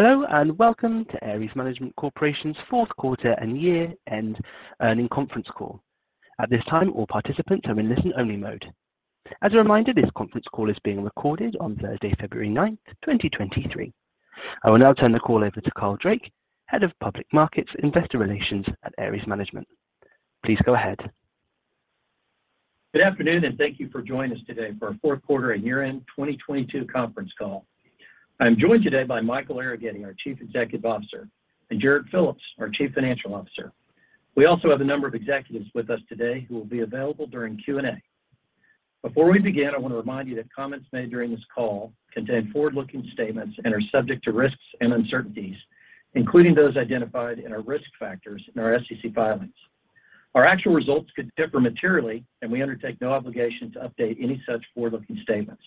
Hello and welcome to. At this time, all participants are in listen-only mode. As a reminder, this conference call is being recorded on Thursday, February 9th, 2023. I will now turn the call over to Carl Drake, Head of Public Markets, Investor Relations at Ares Management. Please go ahead. Good afternoon, and thank you for joining us today for our fourth quarter and year-end 2022 conference call. I'm joined today by Michael Arougheti, our Chief Executive Officer, and Jarrod Phillips, our Chief Financial Officer. We also have a number of executives with us today who will be available during Q&A. Before we begin, I wanna remind you that comments made during this call contain forward-looking statements and are subject to risks and uncertainties, including those identified in our risk factors in our SEC filings. Our actual results could differ materially. We undertake no obligation to update any such forward-looking statements.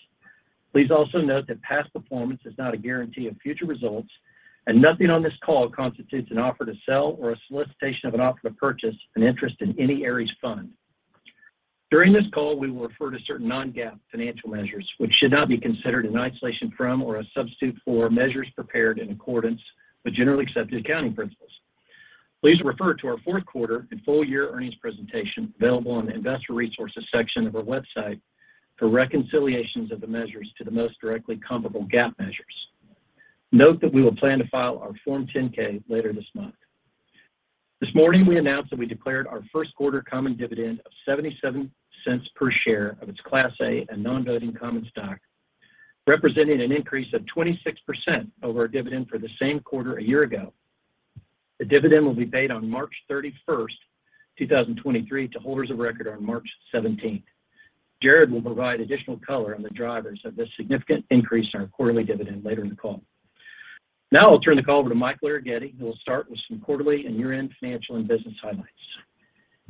Please also note that past performance is not a guarantee of future results, and nothing on this call constitutes an offer to sell or a solicitation of an offer to purchase an interest in any Ares fund. During this call, we will refer to certain non-GAAP financial measures, which should not be considered in isolation from or as substitute for measures prepared in accordance with generally accepted accounting principles. Please refer to our fourth quarter and full year earnings presentation available on the Investor Resources section of our website for reconciliations of the measures to the most directly comparable GAAP measures. Note that we will plan to file our Form 10-K later this month. This morning, we announced that we declared our first quarter common dividend of $0.77 per share of its Class A and non-voting common stock, representing an increase of 26% over our dividend for the same quarter a year ago. The dividend will be paid on March 31st, 2023 to holders of record on March 17th. Jarrod will provide additional color on the drivers of this significant increase in our quarterly dividend later in the call. Now I'll turn the call over to Mike Arougheti, who will start with some quarterly and year-end financial and business highlights.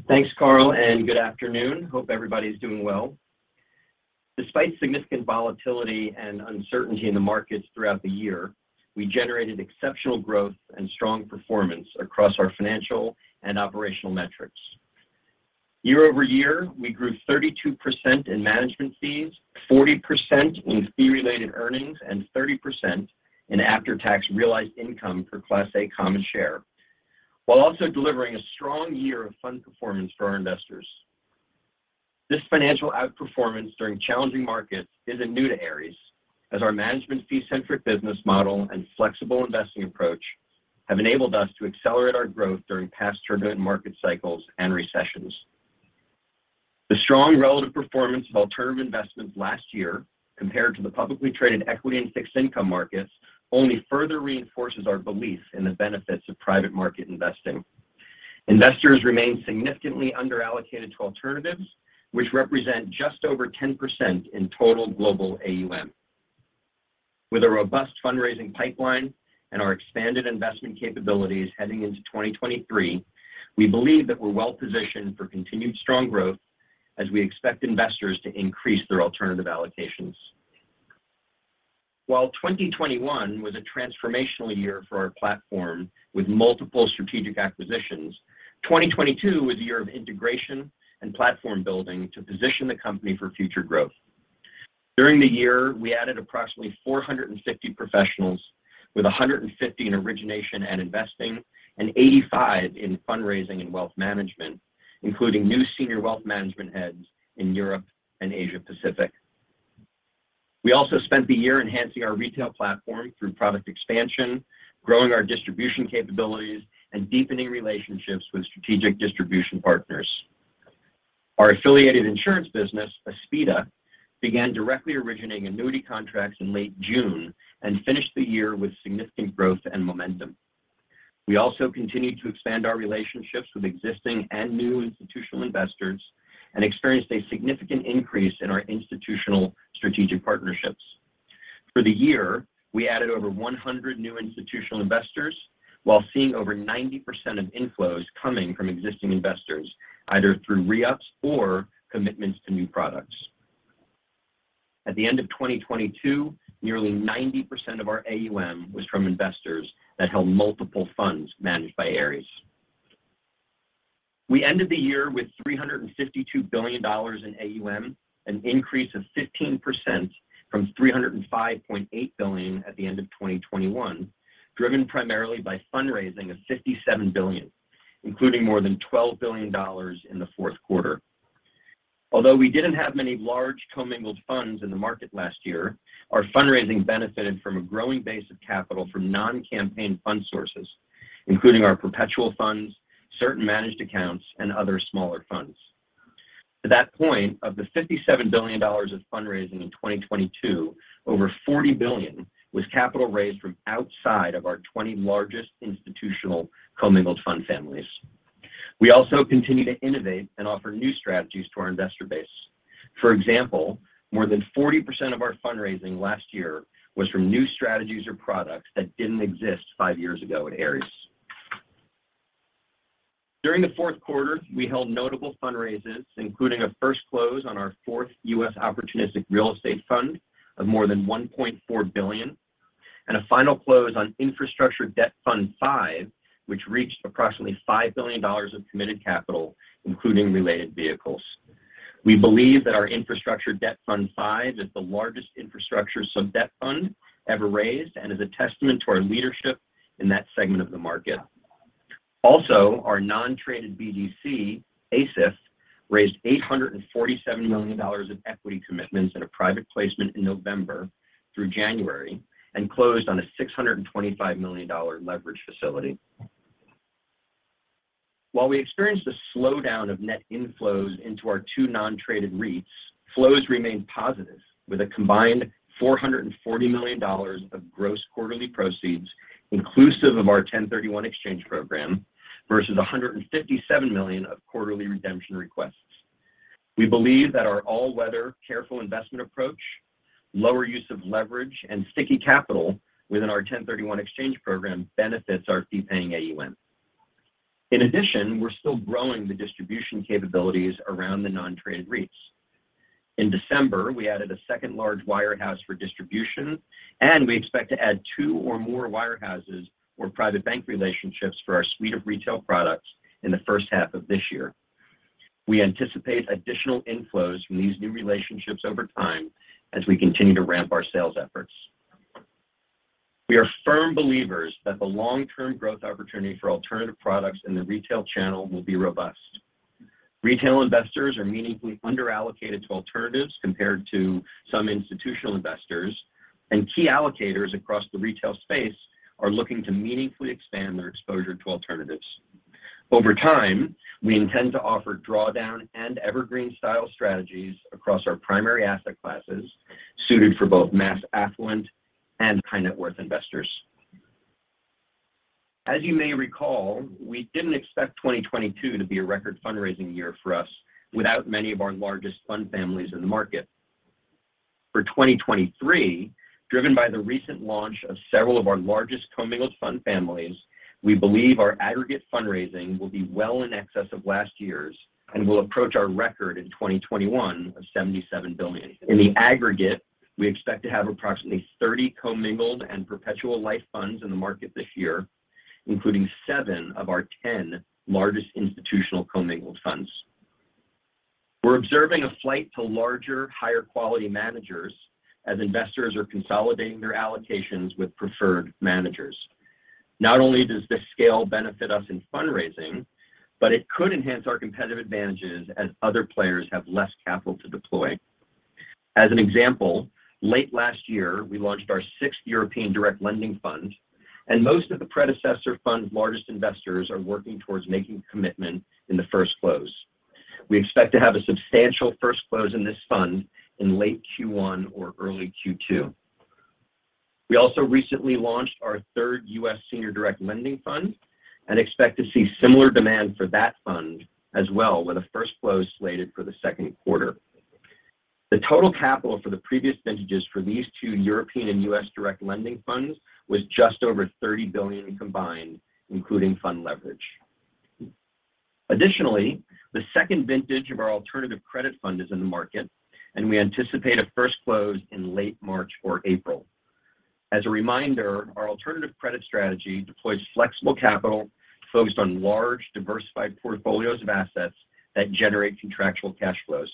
Thanks, Carl. Good afternoon. Hope everybody's doing well. Despite significant volatility and uncertainty in the markets throughout the year, we generated exceptional growth and strong performance across our financial and operational metrics. Year-over-year, we grew 32% in management fees, 40% in Fee Related Earnings, and 30% in after-tax realized income per Class A common share, while also delivering a strong year of fund performance for our investors. This financial outperformance during challenging markets isn't new to Ares, as our management fee-centric business model and flexible investing approach have enabled us to accelerate our growth during past turbulent market cycles and recessions. The strong relative performance of alternative investments last year compared to the publicly traded equity and fixed income markets only further reinforces our belief in the benefits of private market investing. Investors remain significantly under-allocated to alternatives, which represent just over 10% in total global AUM. With a robust fundraising pipeline and our expanded investment capabilities heading into 2023, we believe that we're well positioned for continued strong growth as we expect investors to increase their alternative allocations. While 2021 was a transformational year for our platform with multiple strategic acquisitions, 2022 was a year of integration and platform building to position the company for future growth. During the year, we added approximately 450 professionals, with 150 in origination and investing and 85 in fundraising and wealth management, including new senior wealth management heads in Europe and Asia Pacific. We also spent the year enhancing our retail platform through product expansion, growing our distribution capabilities, and deepening relationships with strategic distribution partners. Our affiliated insurance business, Aspida, began directly originating annuity contracts in late June and finished the year with significant growth and momentum. We also continued to expand our relationships with existing and new institutional investors and experienced a significant increase in our institutional strategic partnerships. For the year, we added over 100 new institutional investors while seeing over 90% of inflows coming from existing investors, either through re-ups or commitments to new products. At the end of 2022, nearly 90% of our AUM was from investors that held multiple funds managed by Ares. We ended the year with $352 billion in AUM, an increase of 15% from $305.8 billion at the end of 2021, driven primarily by fundraising of $57 billion, including more than $12 billion in the fourth quarter. Although we didn't have many large commingled funds in the market last year, our fundraising benefited from a growing base of capital from non-campaign fund sources, including our perpetual funds, certain managed accounts, and other smaller funds. To that point, of the $57 billion of fundraising in 2022, over $40 billion was capital raised from outside of our 20 largest institutional commingled fund families. We also continue to innovate and offer new strategies to our investor base. For example, more than 40% of our fundraising last year was from new strategies or products that didn't exist five years ago at Ares. During the fourth quarter, we held notable fundraisers, including a first close on our fourth U.S. opportunistic real estate fund of more than $1.4 billion, and a final close on Infrastructure Debt Fund V, which reached approximately $5 billion of committed capital, including related vehicles. We believe that our Infrastructure Debt Fund V is the largest infrastructure sub-debt fund ever raised and is a testament to our leadership in that segment of the market. Our non-traded BDC, ASIF, raised $847 million of equity commitments in a private placement in November through January and closed on a $625 million leverage facility. While we experienced a slowdown of net inflows into our two non-traded REITs, flows remained positive with a combined $440 million of gross quarterly proceeds inclusive of our 1031 exchange program versus $157 million of quarterly redemption requests. We believe that our all-weather careful investment approach, lower use of leverage, and sticky capital within our 1031 exchange program benefits our fee-paying AUM. We're still growing the distribution capabilities around the non-traded REITs. In December, we added a second large wirehouse for distribution. We expect to add two or more wirehouses or private bank relationships for our suite of retail products in the first half of this year. We anticipate additional inflows from these new relationships over time as we continue to ramp our sales efforts. We are firm believers that the long-term growth opportunity for alternative products in the retail channel will be robust. Retail investors are meaningfully underallocated to alternatives compared to some institutional investors. Key allocators across the retail space are looking to meaningfully expand their exposure to alternatives. Over time, we intend to offer drawdown and evergreen-style strategies across our primary asset classes suited for both mass affluent and high-net-worth investors. As you may recall, we didn't expect 2022 to be a record fundraising year for us without many of our largest fund families in the market. For 2023, driven by the recent launch of several of our largest commingled fund families, we believe our aggregate fundraising will be well in excess of last year's and will approach our record in 2021 of $77 billion. In the aggregate, we expect to have approximately 30 commingled and perpetual life funds in the market this year, including seven of our 10 largest institutional commingled funds. We're observing a flight to larger, higher-quality managers as investors are consolidating their allocations with preferred managers. Not only does this scale benefit us in fundraising, but it could enhance our competitive advantages as other players have less capital to deploy. As an example, late last year, we launched our 6th European direct lending fund, and most of the predecessor fund's largest investors are working towards making a commitment in the first close. We expect to have a substantial first close in this fund in late Q1 or early Q2. We also recently launched our third U.S. Senior Direct Lending Fund and expect to see similar demand for that fund as well with a first close slated for the second quarter. The total capital for the previous vintages for these two European and U.S. direct lending funds was just over $30 billion combined, including fund leverage. We anticipate a first close in late March or April. As a reminder, our alternative credit strategy deploys flexible capital focused on large, diversified portfolios of assets that generate contractual cash flows.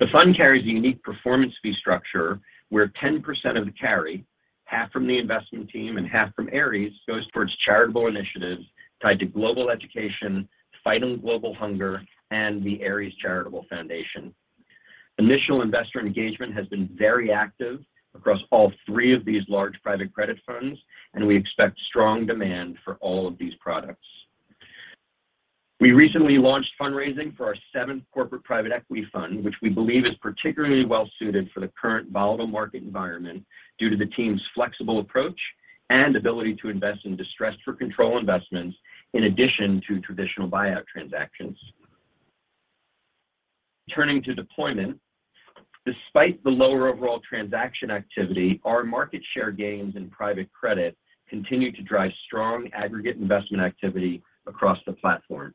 The fund carries a unique performance fee structure where 10% of the carry, half from the investment team and half from Ares, goes towards charitable initiatives tied to global education, fighting global hunger, and the Ares Charitable Foundation. Initial investor engagement has been very active across all three of these large private credit funds, and we expect strong demand for all of these products. We recently launched fundraising for our seventh corporate private equity fund, which we believe is particularly well-suited for the current volatile market environment due to the team's flexible approach and ability to invest in distressed for control investments in addition to traditional buyout transactions. Turning to deployment, despite the lower overall transaction activity, our market share gains in private credit continue to drive strong aggregate investment activity across the platform.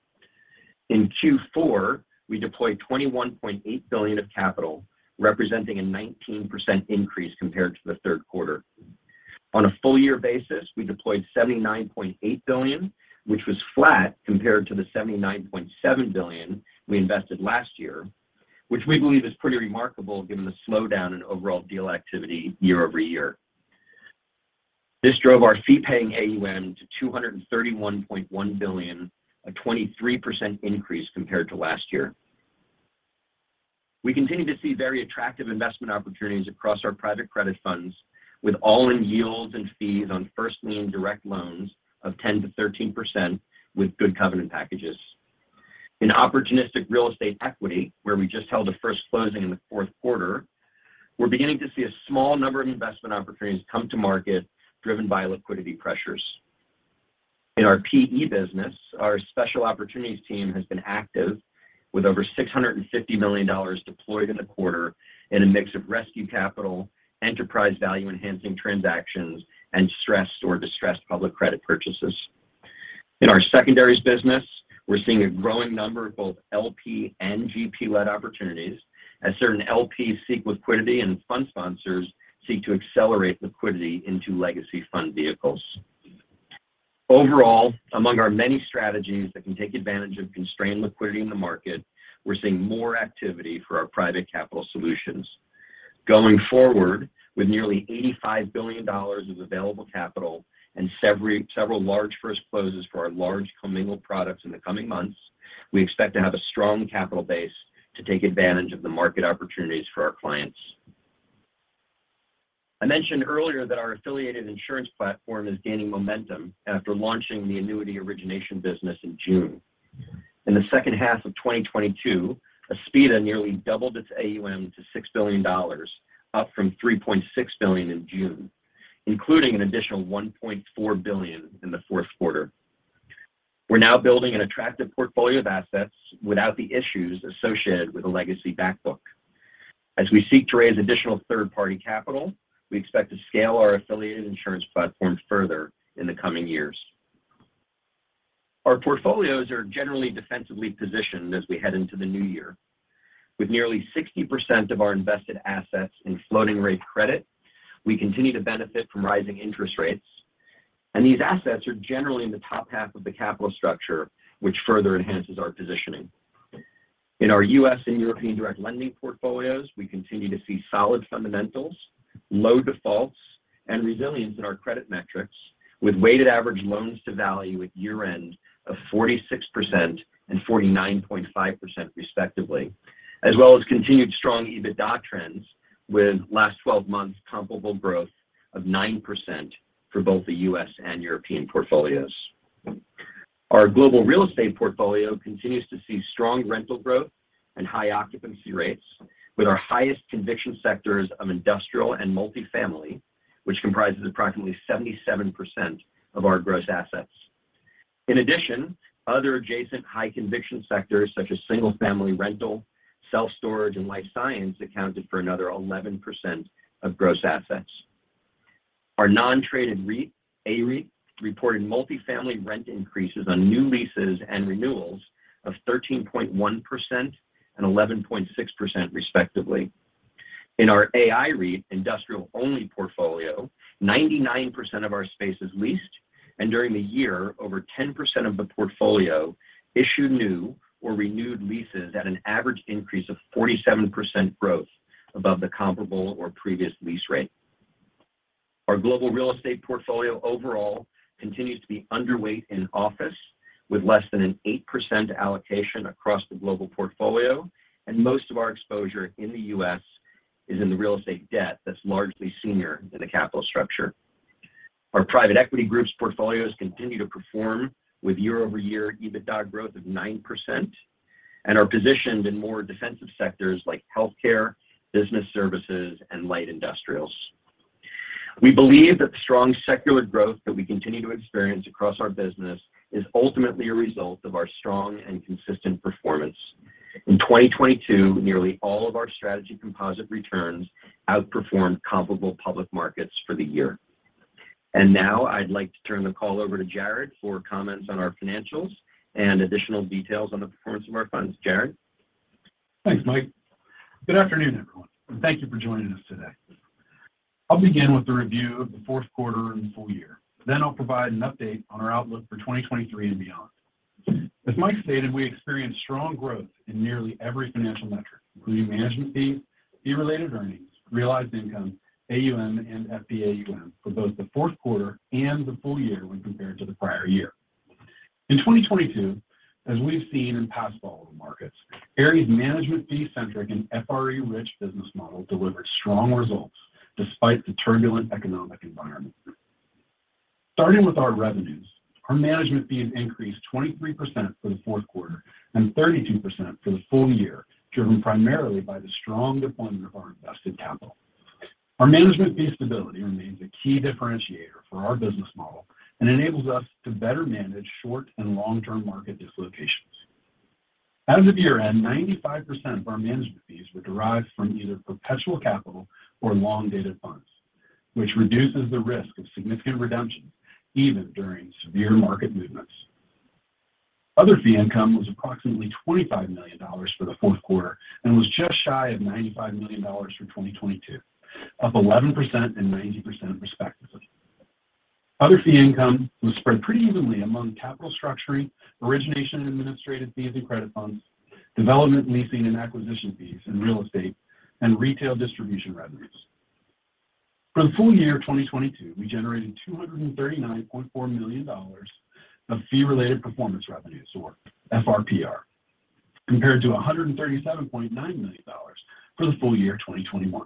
In Q4, we deployed $21.8 billion of capital, representing a 19% increase compared to the third quarter. On a full-year basis, we deployed $79.8 billion, which was flat compared to the $79.7 billion we invested last year, which we believe is pretty remarkable given the slowdown in overall deal activity year-over-year. This drove our fee-paying AUM to $231.1 billion, a 23% increase compared to last year. We continue to see very attractive investment opportunities across our private credit funds, with all-in yields and fees on first lien direct loans of 10%-13% with good covenant packages. In opportunistic real estate equity, where we just held a first closing in the fourth quarter, we're beginning to see a small number of investment opportunities come to market driven by liquidity pressures. In our PE business, our special opportunities team has been active with over $650 million deployed in the quarter in a mix of rescue capital, enterprise value enhancing transactions, and stressed or distressed public credit purchases. In our secondaries business, we're seeing a growing number of both LP and GP-led opportunities as certain LPs seek liquidity and fund sponsors seek to accelerate liquidity into legacy fund vehicles. Overall, among our many strategies that can take advantage of constrained liquidity in the market, we're seeing more activity for our private capital solutions. Going forward, with nearly $85 billion of available capital and several large first closes for our large commingled products in the coming months, we expect to have a strong capital base to take advantage of the market opportunities for our clients. I mentioned earlier that our affiliated insurance platform is gaining momentum after launching the annuity origination business in June. In the second half of 2022, Aspida nearly doubled its AUM to $6 billion, up from $3.6 billion in June, including an additional $1.4 billion in the fourth quarter. We're now building an attractive portfolio of assets without the issues associated with a legacy back book. As we seek to raise additional third-party capital, we expect to scale our affiliated insurance platform further in the coming years. Our portfolios are generally defensively positioned as we head into the new year. With nearly 60% of our invested assets in floating rate credit, we continue to benefit from rising interest rates. These assets are generally in the top half of the capital structure, which further enhances our positioning. In our U.S. and European direct lending portfolios, we continue to see solid fundamentals, low defaults, and resilience in our credit metrics with weighted average loans to value at year-end of 46% and 49.5% respectively. Continued strong EBITDA trends with last 12 months comparable growth of 9% for both the U.S. and European portfolios. Our global real estate portfolio continues to see strong rental growth and high occupancy rates with our highest conviction sectors of industrial and multifamily, which comprises approximately 77% of our gross assets. Other adjacent high conviction sectors such as single-family rental, self-storage, and life science accounted for another 11% of gross assets. Our non-traded REIT, AREIT, reported multifamily rent increases on new leases and renewals of 13.1% and 11.6% respectively. In our AIREIT industrial-only portfolio, 99% of our space is leased, and during the year, over 10% of the portfolio issued new or renewed leases at an average increase of 47% growth above the comparable or previous lease rate. Our global real estate portfolio overall continues to be underweight in office with less than an 8% allocation across the global portfolio, and most of our exposure in the U.S. is in the real estate debt that's largely senior in the capital structure. Our private equity group's portfolios continue to perform with year-over-year EBITDA growth of 9% and are positioned in more defensive sectors like healthcare, business services, and light industrials. We believe that the strong secular growth that we continue to experience across our business is ultimately a result of our strong and consistent performance. In 2022, nearly all of our strategy composite returns outperformed comparable public markets for the year. Now I'd like to turn the call over to Jarrod for comments on our financials and additional details on the performance of our funds. Jarrod. Thanks, Mike. Good afternoon, everyone. Thank you for joining us today. I'll begin with a review of the fourth quarter and full year. I'll provide an update on our outlook for 2023 and beyond. As Mike stated, we experienced strong growth in nearly every financial metric, including management fees, fee-related earnings, realized income, AUM, and FPAUM for both the fourth quarter and the full year when compared to the prior year. In 2022, as we've seen in past volatile markets, Ares Management fee centric and FRE rich business model delivered strong results despite the turbulent economic environment. Starting with our revenues, our management fees increased 23% for the fourth quarter and 32% for the full year, driven primarily by the strong deployment of our invested capital. Our management fee stability remains a key differentiator for our business model and enables us to better manage short and long-term market dislocations. As of year-end, 95% of our management fees were derived from either perpetual capital or long-dated funds, which reduces the risk of significant redemption even during severe market movements. Other fee income was approximately $25 million for the fourth quarter and was just shy of $95 million for 2022, up 11% and 90% respectively. Other fee income was spread pretty evenly among capital structuring, origination and administrative fees and credit funds, development, leasing, and acquisition fees in real estate, and retail distribution revenues. For the full year of 2022, we generated $239.4 million of fee-related performance revenues, or FRPR, compared to $137.9 million for the full year of 2021.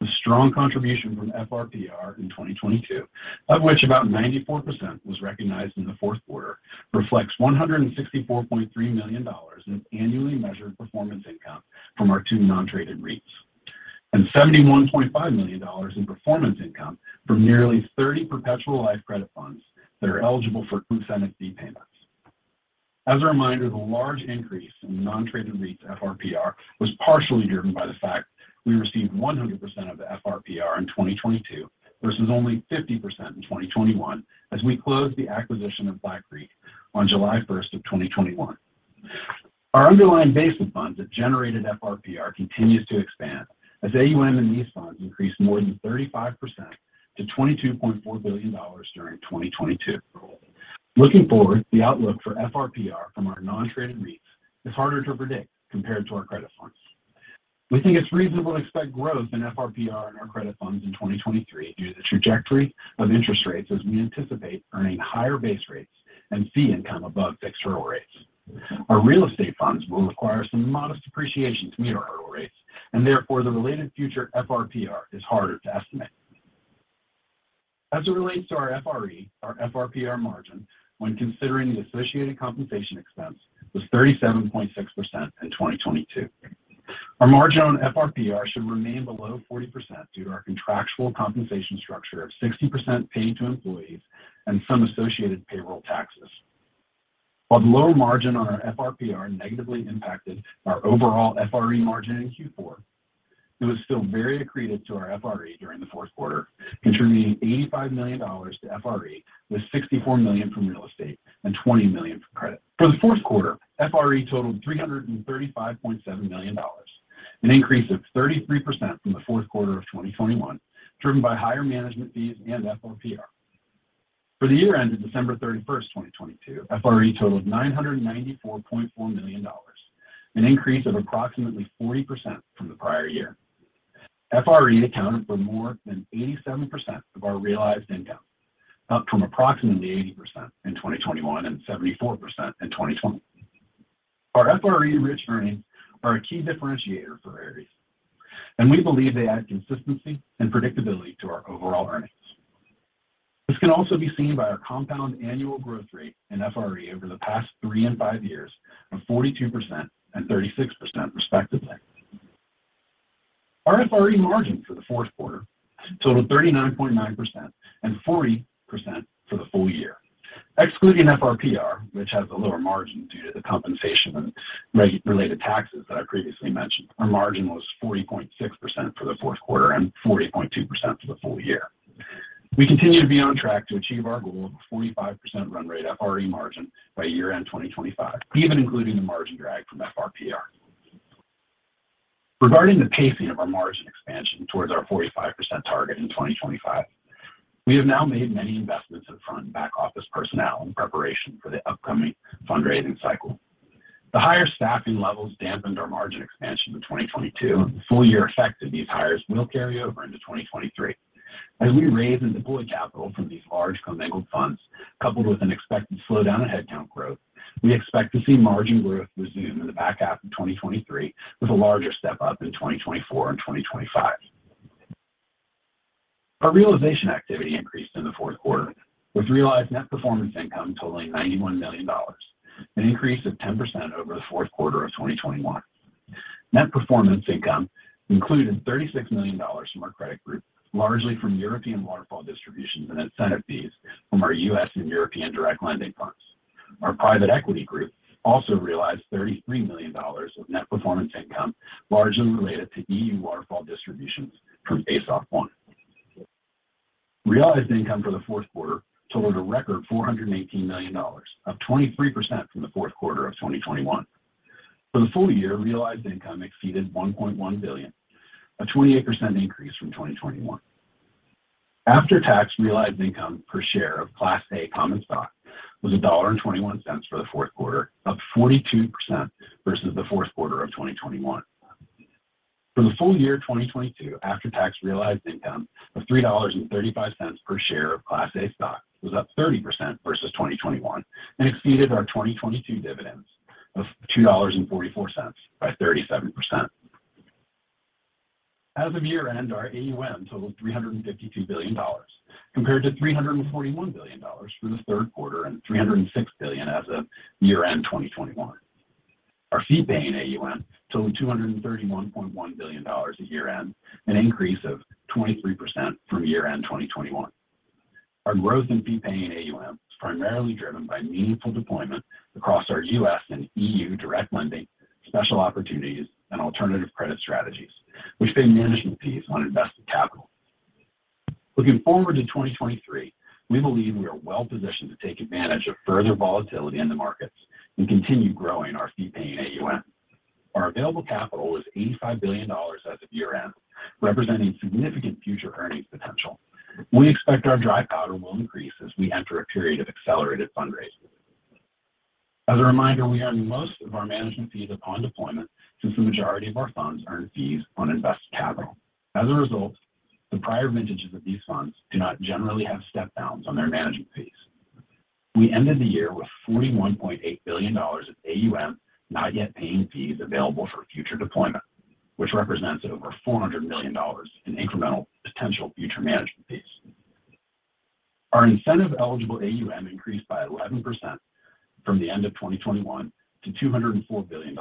The strong contribution from FRPR in 2022, of which about 94% was recognized in the fourth quarter, reflects $164.3 million in annually measured performance income from our two non-traded REITs and $71.5 million in performance income from nearly 30 perpetual life credit funds that are eligible for 2-7 fee payments. As a reminder, the large increase in non-traded REITs FRPR was partially driven by the fact we received 100% of the FRPR in 2022 versus only 50% in 2021 as we closed the acquisition of Black Creek on July 1, 2021. Our underlying base of funds that generated FRPR continues to expand as AUM in these funds increased more than 35% to $22.4 billion during 2022. Looking forward, the outlook for FRPR from our non-traded REITs is harder to predict compared to our credit funds. We think it's reasonable to expect growth in FRPR in our credit funds in 2023 due to the trajectory of interest rates as we anticipate earning higher base rates and fee income above fixed hurdle rates. Our real estate funds will require some modest appreciation to meet our hurdle rates. Therefore, the related future FRPR is harder to estimate. As it relates to our FRE, our FRPR margin when considering the associated compensation expense was 37.6% in 2022. Our margin on FRPR should remain below 40% due to our contractual compensation structure of 60% paid to employees and some associated payroll taxes. While the low margin on our FRPR negatively impacted our overall FRE margin in Q4, it was still very accretive to our FRE during the fourth quarter, contributing $85 million to FRE, with $64 million from real estate and $20 million from credit. For the fourth quarter, FRE totaled $335.7 million, an increase of 33% from the fourth quarter of 2021, driven by higher management fees and FRPR. For the year ended December thirty-first, 2022, FRE totaled $994.4 million, an increase of approximately 40% from the prior year. FRE accounted for more than 87% of our realized income, up from approximately 80% in 2021 and 74% in 2020. Our FRE-rich earnings are a key differentiator for Ares. We believe they add consistency and predictability to our overall earnings. This can also be seen by our compound annual growth rate in FRE over the past three and five years of 42% and 36% respectively. Our FRE margin for the fourth quarter totaled 39.9% and 40% for the full year. Excluding FRPR, which has a lower margin due to the compensation and re-related taxes that I previously mentioned, our margin was 40.6% for the fourth quarter and 40.2% for the full year. We continue to be on track to achieve our goal of a 45% run rate FRE margin by year-end 2025, even including the margin drag from FRPR. Regarding the pacing of our margin expansion towards our 45% target in 2025, we have now made many investments in front and back office personnel in preparation for the upcoming fundraising cycle. The higher staffing levels dampened our margin expansion in 2022, and the full-year effect of these hires will carry over into 2023. As we raise and deploy capital from these large commingled funds, coupled with an expected slowdown in headcount growth, we expect to see margin growth resume in the back half of 2023 with a larger step-up in 2024 and 2025. Our realization activity increased in the fourth quarter, with realized net performance income totaling $91 million, an increase of 10% over the fourth quarter of 2021. Net performance income included $36 million from our credit group, largely from European waterfall distributions and incentive fees from our U.S. and European direct lending funds. Our private equity group also realized $33 million of net performance income, largely related to European waterfall distributions from ASOF I. Realized income for the fourth quarter totaled a record $418 million, up 23% from the fourth quarter of 2021. For the full year, realized income exceeded $1.1 billion, a 28% increase from 2021. After-tax realized income per share of Class A common stock was $1.21 for the fourth quarter, up 42% versus the fourth quarter of 2021. For the full year 2022, after-tax realized income of $3.35 per share of Class A stock was up 30% versus 2021 and exceeded our 2022 dividends of $2.44 by 37%. As of year-end, our AUM totaled $352 billion compared to $341 billion for the third quarter and $306 billion as of year-end 2021. Our fee-paying AUM totaled $231.1 billion at year-end, an increase of 23% from year-end 2021. Our growth in fee-paying AUM was primarily driven by meaningful deployment across our U.S. and E.U. direct lending, special opportunities, and alternative credit strategies, which pay management fees on invested capital. Looking forward to 2023, we believe we are well-positioned to take advantage of further volatility in the markets and continue growing our fee-paying AUM. Our available capital was $85 billion as of year-end, representing significant future earnings potential. We expect our dry powder will increase as we enter a period of accelerated fundraising. As a reminder, we earn most of our management fees upon deployment since the majority of our funds earn fees on invested capital. As a result, the prior vintages of these funds do not generally have step-downs on their management fees. We ended the year with $41.8 billion of AUM not yet paying fees available for future deployment, which represents over $400 million in incremental potential future management fees. Our incentive-eligible AUM increased by 11% from the end of 2021 to $204 billion.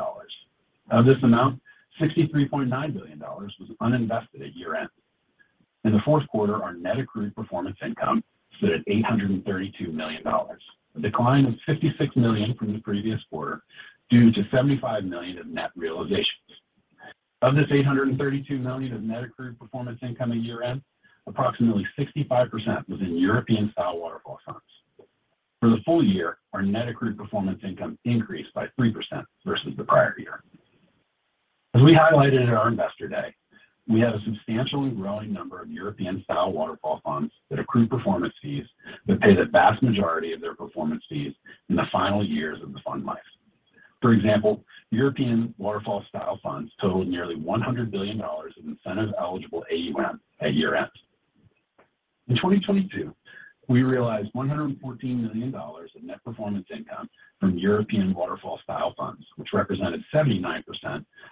Of this amount, $63.9 billion was uninvested at year-end. In the fourth quarter, our net accrued performance income stood at $832 million, a decline of $56 million from the previous quarter due to $75 million of net realization. Of this $832 million of net accrued performance income at year-end, approximately 65% was in European-style waterfall funds. For the full year, our net accrued performance income increased by 3% versus the prior year. As we highlighted at our Investor Day, we have a substantially growing number of European-style waterfall funds that accrue performance fees that pay the vast majority of their performance fees in the final years of the fund life. For example, European waterfall style funds totaled nearly $100 billion in incentive-eligible AUM at year-end. In 2022, we realized $114 million of net performance income from European waterfall style funds, which represented 79%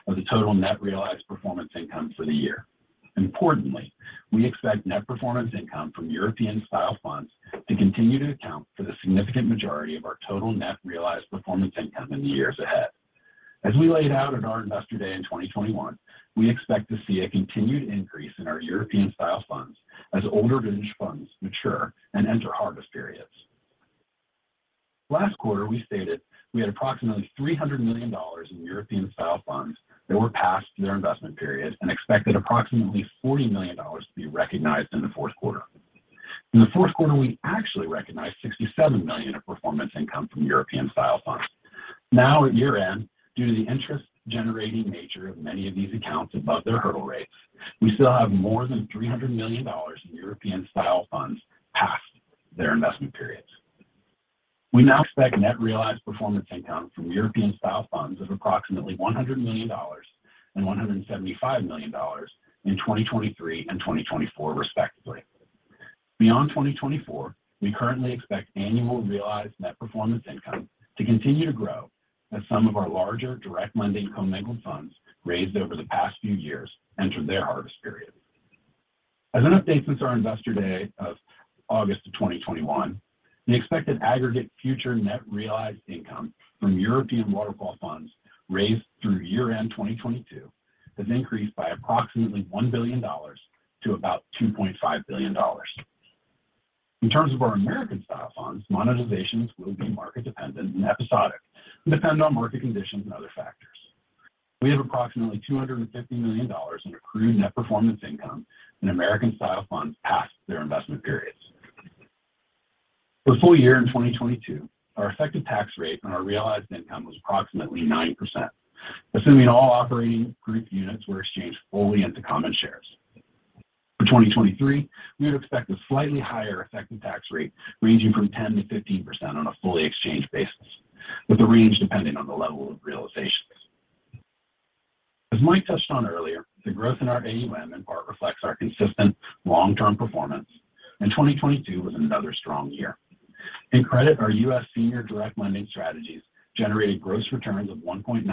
of the total net realized performance income for the year. Importantly, we expect net performance income from European-style funds to continue to account for the significant majority of our total net realized performance income in the years ahead. As we laid out at our Investor Day in 2021, we expect to see a continued increase in our European-style funds as older vintage funds mature and enter harvest periods. Last quarter, we stated we had approximately $300 million in European-style funds that were past their investment period and expected approximately $40 million to be recognized in the fourth quarter. In the fourth quarter, we actually recognized $67 million of performance income from European-style funds. At year-end, due to the interest-generating nature of many of these accounts above their hurdle rates, we still have more than $300 million in European-style funds past their investment periods. We now expect net realized performance income from European-style funds of approximately $100 million and $175 million in 2023 and 2024 respectively. Beyond 2024, we currently expect annual realized net performance income to continue to grow as some of our larger direct lending commingled funds raised over the past few years enter their harvest period. As an update since our Investor Day of August 2021, the expected aggregate future net realized income from European waterfall funds raised through year-end 2022 has increased by approximately $1 billion to about $2.5 billion. In terms of our American-style funds, monetizations will be market-dependent and episodic, and depend on market conditions and other factors. We have approximately $250 million in accrued net performance income in American-style funds past their investment periods. For the full year in 2022, our effective tax rate on our realized income was approximately 9%, assuming all operating group units were exchanged fully into common shares. For 2023, we would expect a slightly higher effective tax rate ranging from 10%-15% on a fully exchanged basis, with the range depending on the level of realizations. As Mike touched on earlier, the growth in our AUM in part reflects our consistent long-term performance. 2022 was another strong year. In credit, our U.S. senior direct lending strategies generated gross returns of 1.9%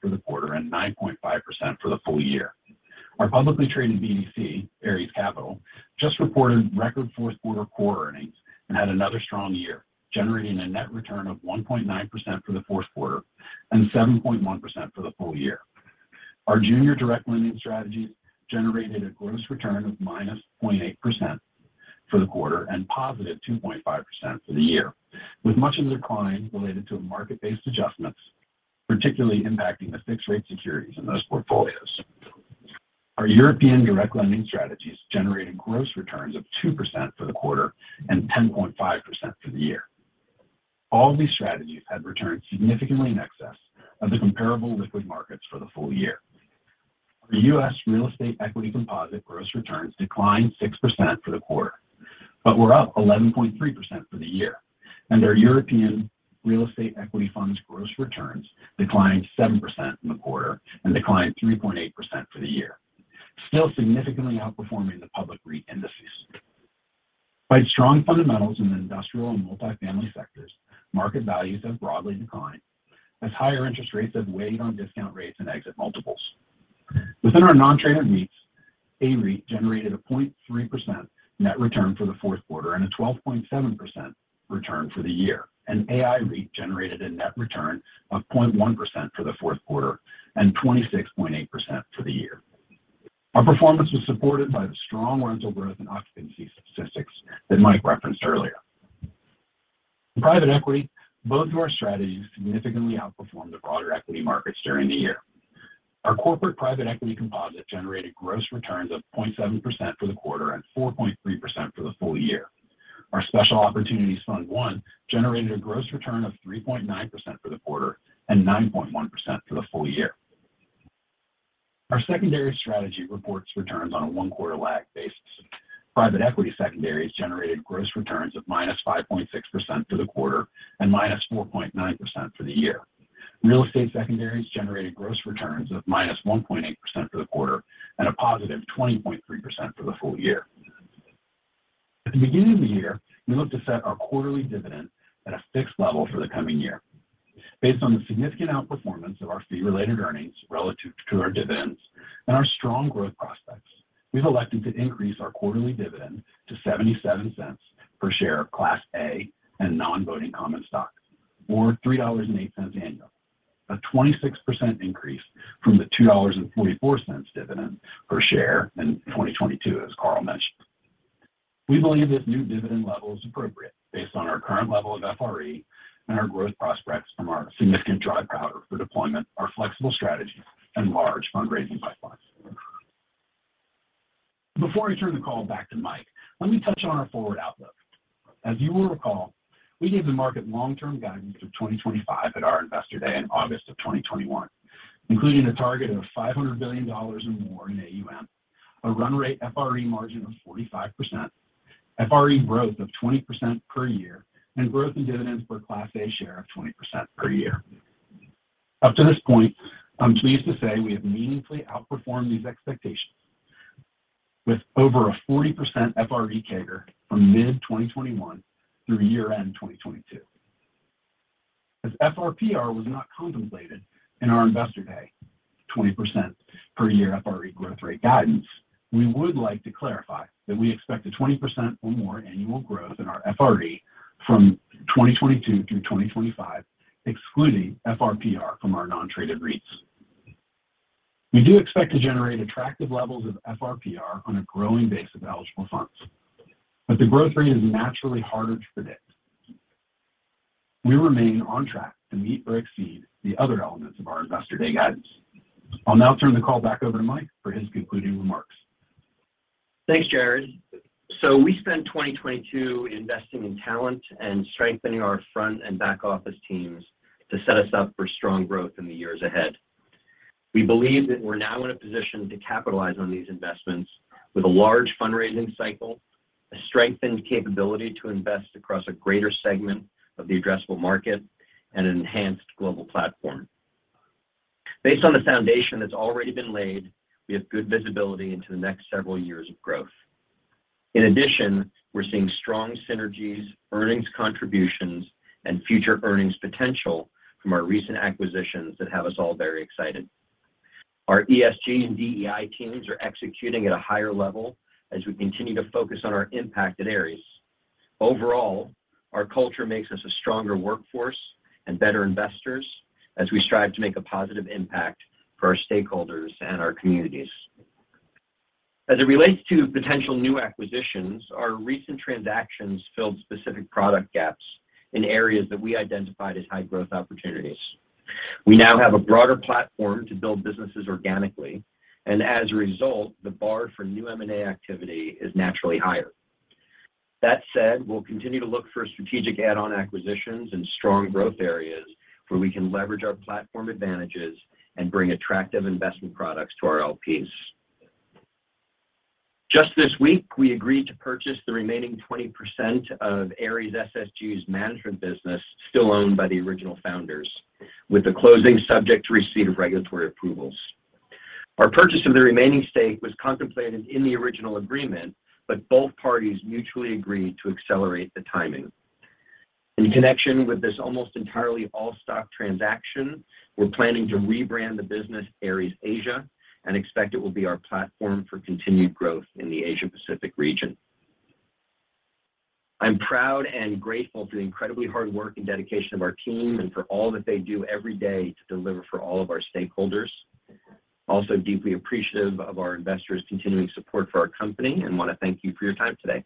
for the quarter and 9.5% for the full year. Our publicly traded BDC, Ares Capital, just reported record fourth quarter core earnings and had another strong year, generating a net return of 1.9% for the fourth quarter and 7.1% for the full year. Our junior direct lending strategies generated a gross return of -0.8% for the quarter and 2.5% for the year, with much of the decline related to market-based adjustments, particularly impacting the fixed rate securities in those portfolios. Our European direct lending strategies generated gross returns of 2% for the quarter and 10.5% for the year. All of these strategies had returns significantly in excess of the comparable liquid markets for the full year. Our U.S. real estate equity composite gross returns declined 6% for the quarter, but were up 11.3% for the year. Our European real estate equity funds gross returns declined 7% in the quarter and declined 3.8% for the year, still significantly outperforming the public REIT indices. By strong fundamentals in the industrial and multifamily sectors, market values have broadly declined as higher interest rates have weighed on discount rates and exit multiples. Within our non-traded REITs, AREIT generated a 0.3% net return for the 4th quarter and a 12.7% return for the year. AIREIT generated a net return of 0.1% for the 4th quarter and 26.8% for the year. Our performance was supported by the strong rental growth and occupancy statistics that Mike referenced earlier. In private equity, both of our strategies significantly outperformed the broader equity markets during the year. Our corporate private equity composite generated gross returns of 0.7% for the quarter and 4.3% for the full year. Our Special Opportunities Fund I generated a gross return of 3.9% for the quarter and 9.1% for the full year. Our secondary strategy reports returns on a one-quarter lag basis. Private equity secondaries generated gross returns of -5.6% for the quarter and -4.9% for the year. Real estate secondaries generated gross returns of -1.8% for the quarter and a +20.3% for the full year. At the beginning of the year, we look to set our quarterly dividend at a fixed level for the coming year. Based on the significant outperformance of our fee-related earnings relative to our dividends and our strong growth prospects, we've elected to increase our quarterly dividend to $0.77 per share of Class A and non-voting common stock, or $3.08 annual. A 26% increase from the $2.44 dividend per share in 2022, as Carl mentioned. We believe this new dividend level is appropriate based on our current level of FRE and our growth prospects from our significant dry powder for deployment, our flexible strategies, and large fundraising pipelines. Before I turn the call back to Mike, let me touch on our forward outlook. As you will recall, we gave the market long-term guidance of 2025 at our Investor Day in August of 2021, including a target of $500 billion or more in AUM, a run rate FRE margin of 45%, FRE growth of 20% per year, and growth in dividends per Class A share of 20% per year. Up to this point, I'm pleased to say we have meaningfully outperformed these expectations with over a 40% FRE CAGR from mid-2021 through year-end 2022. As FRPR was not contemplated in our Investor Day 20% per year FRE growth rate guidance, we would like to clarify that we expect a 20% or more annual growth in our FRE from 2022 through 2025, excluding FRPR from our non-traded REITs. We do expect to generate attractive levels of FRPR on a growing base of eligible funds. The growth rate is naturally harder to predict. We remain on track to meet or exceed the other elements of our Investor Day guidance. I'll now turn the call back over to Mike for his concluding remarks. Thanks, Jarrod. We spent 2022 investing in talent and strengthening our front and back office teams to set us up for strong growth in the years ahead. We believe that we're now in a position to capitalize on these investments with a large fundraising cycle, a strengthened capability to invest across a greater segment of the addressable market, and an enhanced global platform. Based on the foundation that's already been laid, we have good visibility into the next several years of growth. In addition, we're seeing strong synergies, earnings contributions, and future earnings potential from our recent acquisitions that have us all very excited. Our ESG and DEI teams are executing at a higher level as we continue to focus on our impact at Ares. Overall, our culture makes us a stronger workforce and better investors as we strive to make a positive impact for our stakeholders and our communities. As it relates to potential new acquisitions, our recent transactions filled specific product gaps in areas that we identified as high growth opportunities. We now have a broader platform to build businesses organically. As a result, the bar for new M&A activity is naturally higher. That said, we'll continue to look for strategic add-on acquisitions in strong growth areas where we can leverage our platform advantages and bring attractive investment products to our LPs. This week, we agreed to purchase the remaining 20% of Ares SSG's management business still owned by the original founders, with the closing subject to receipt of regulatory approvals. Our purchase of the remaining stake was contemplated in the original agreement, but both parties mutually agreed to accelerate the timing. In connection with this almost entirely all-stock transaction, we're planning to rebrand the business Ares Asia and expect it will be our platform for continued growth in the Asia-Pacific region. I'm proud and grateful for the incredibly hard work and dedication of our team and for all that they do every day to deliver for all of our stakeholders. Also deeply appreciative of our investors' continuing support for our company and want to thank you for your time today.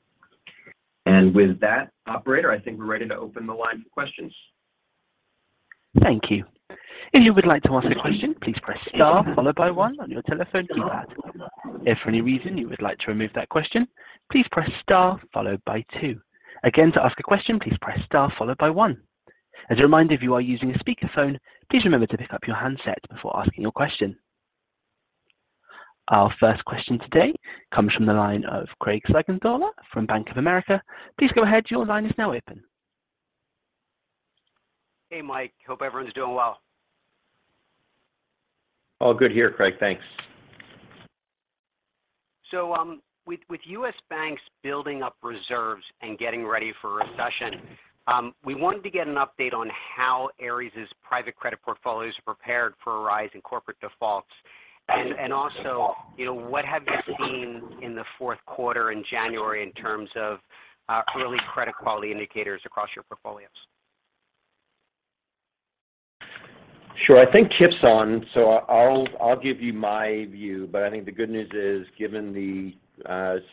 With that, operator, I think we're ready to open the line for questions. Thank you. If you would like to ask a question, please press star followed by one on your telephone keypad. If for any reason you would like to remove that question, please press star followed by two. Again, to ask a question, please press star followed by one. As a reminder, if you are using a speakerphone, please remember to pick up your handset before asking your question. Our first question today comes from the line of Craig Siegenthaler from Bank of America. Please go ahead. Your line is now open. Hey, Mike. Hope everyone's doing well. All good here, Craig. Thanks. With U.S. banks building up reserves and getting ready for a recession, we wanted to get an update on how Ares' private credit portfolios are prepared for a rise in corporate defaults. Also, you know, what have you seen in the fourth quarter in January in terms of early credit quality indicators across your portfolios? Sure. I think Kipp's on, so I'll give you my view. I think the good news is, given the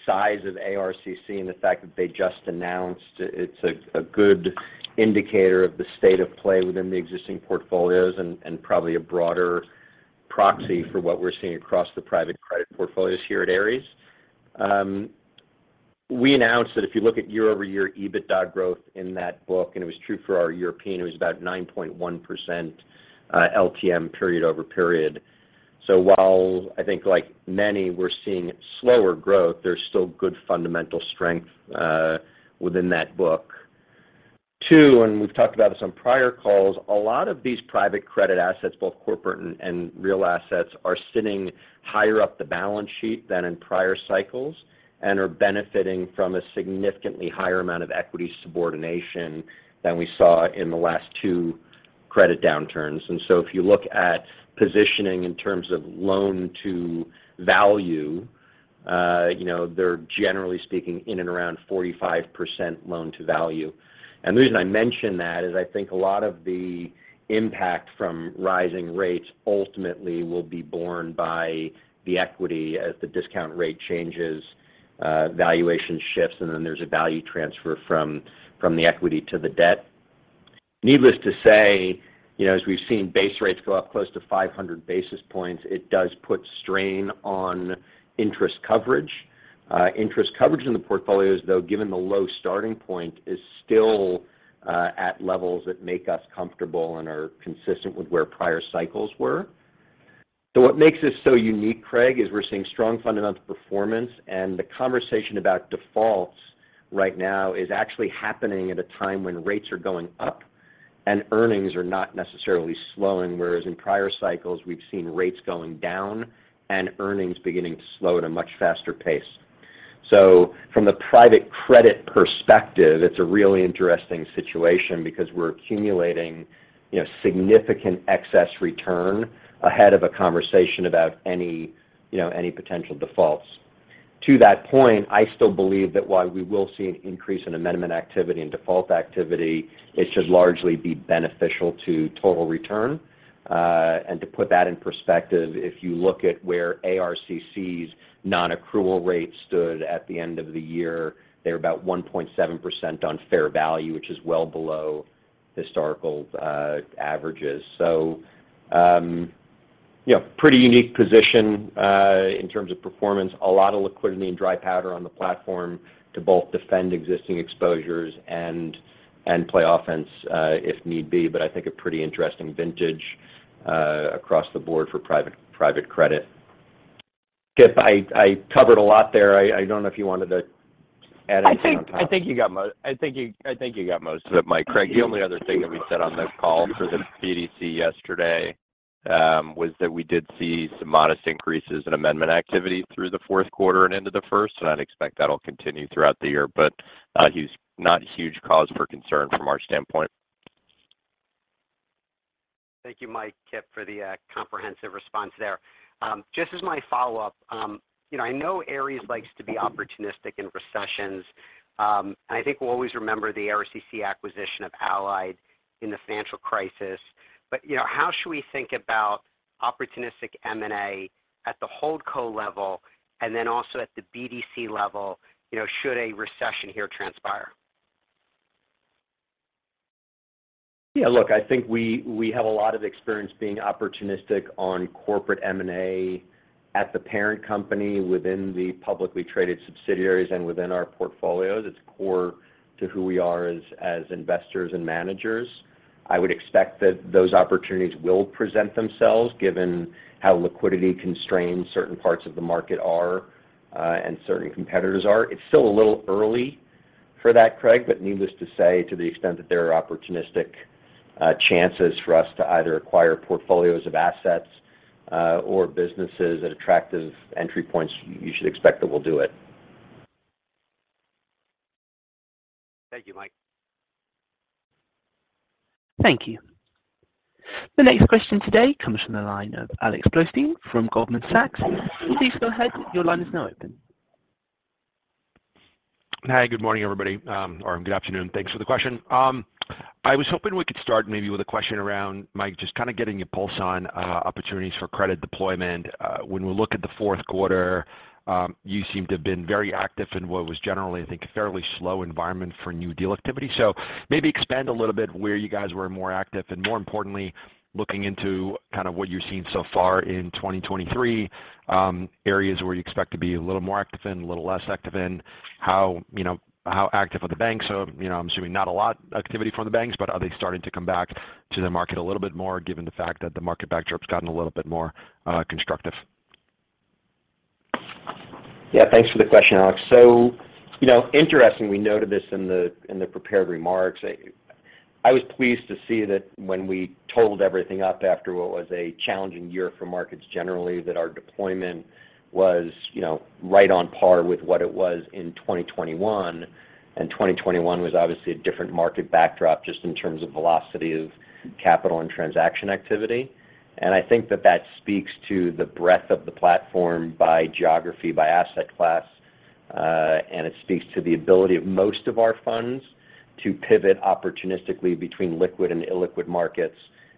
size of ARCC and the fact that they just announced, it's a good indicator of the state of play within the existing portfolios and probably a broader proxy for what we're seeing across the private credit portfolios here at Ares. We announced that if you look at year-over-year EBITDA growth in that book, and it was true for our European, it was about 9.1%, LTM period over period. While I think like many, we're seeing slower growth, there's still good fundamental strength within that book. Two, we've talked about this on prior calls, a lot of these private credit assets, both corporate and real assets, are sitting higher up the balance sheet than in prior cycles and are benefiting from a significantly higher amount of equity subordination than we saw in the last two credit downturns. If you look at positioning in terms of loan to value, you know, they're generally speaking in and around 45% loan to value. The reason I mention that is I think a lot of the impact from rising rates ultimately will be borne by the equity as the discount rate changes, valuation shifts, and then there's a value transfer from the equity to the debt. Needless to say, you know, as we've seen base rates go up close to 500 basis points, it does put strain on interest coverage. Interest coverage in the portfolios, though, given the low starting point, is still at levels that make us comfortable and are consistent with where prior cycles were. What makes us so unique, Craig, is we're seeing strong fundamental performance, and the conversation about defaults right now is actually happening at a time when rates are going up and earnings are not necessarily slowing, whereas in prior cycles we've seen rates going down and earnings beginning to slow at a much faster pace. From the private credit perspective, it's a really interesting situation because we're accumulating, you know, significant excess return ahead of a conversation about any, you know, any potential defaults. To that point, I still believe that while we will see an increase in amendment activity and default activity, it should largely be beneficial to total return. To put that in perspective, if you look at where ARCC's non-accrual rate stood at the end of the year, they're about 1.7% on fair value, which is well below historical averages. Yeah, pretty unique position in terms of performance. A lot of liquidity and dry powder on the platform to both defend existing exposures and play offense if need be. I think a pretty interesting vintage across the board for private credit. Kipp, I covered a lot there. I don't know if you wanted to add anything on top. I think you got most of it, Mike. Craig, the only other thing that we said on the call for the BDC yesterday, was that we did see some modest increases in amendment activity through the fourth quarter and into the first. I'd expect that'll continue throughout the year, but not huge cause for concern from our standpoint. Thank you, Mike, Kipp, for the comprehensive response there. Just as my follow-up, you know, I know Ares likes to be opportunistic in recessions. I think we'll always remember the ARCC acquisition of Allied in the financial crisis. You know, how should we think about opportunistic M&A at the holdco level and then also at the BDC level, you know, should a recession here transpire? Look, I think we have a lot of experience being opportunistic on corporate M&A at the parent company within the publicly traded subsidiaries and within our portfolios. It's core to who we are as investors and managers. I would expect that those opportunities will present themselves given how liquidity constrained certain parts of the market are and certain competitors are. It's still a little early for that, Craig. Needless to say, to the extent that there are opportunistic chances for us to either acquire portfolios of assets or businesses at attractive entry points, you should expect that we'll do it. Thank you, Mike. Thank you. The next question today comes from the line of Alex Blostein from Goldman Sachs. Please go ahead. Your line is now open. Hi. Good morning, everybody, or good afternoon. Thanks for the question. I was hoping we could start maybe with a question around, Mike, just kind of getting your pulse on opportunities for credit deployment. When we look at the fourth quarter, you seem to have been very active in what was generally, I think, a fairly slow environment for new deal activity. Maybe expand a little bit where you guys were more active and more importantly, looking into kind of what you're seeing so far in 2023, areas where you expect to be a little more active in, a little less active in. How, you know, how active are the banks? You know, I'm assuming not a lot activity from the banks, but are they starting to come back to the market a little bit more given the fact that the market backdrop's gotten a little bit more constructive? Yeah. Thanks for the question, Alex. You know, interestingly, we noted this in the, in the prepared remarks. I was pleased to see that when we totaled everything up after what was a challenging year for markets generally, that our deployment was, you know, right on par with what it was in 2021. 2021 was obviously a different market backdrop just in terms of velocity of capital and transaction activity. I think that that speaks to the breadth of the platform by geography, by asset class, and it speaks to the ability of most of our funds to pivot opportunistically between liquid and illiquid markets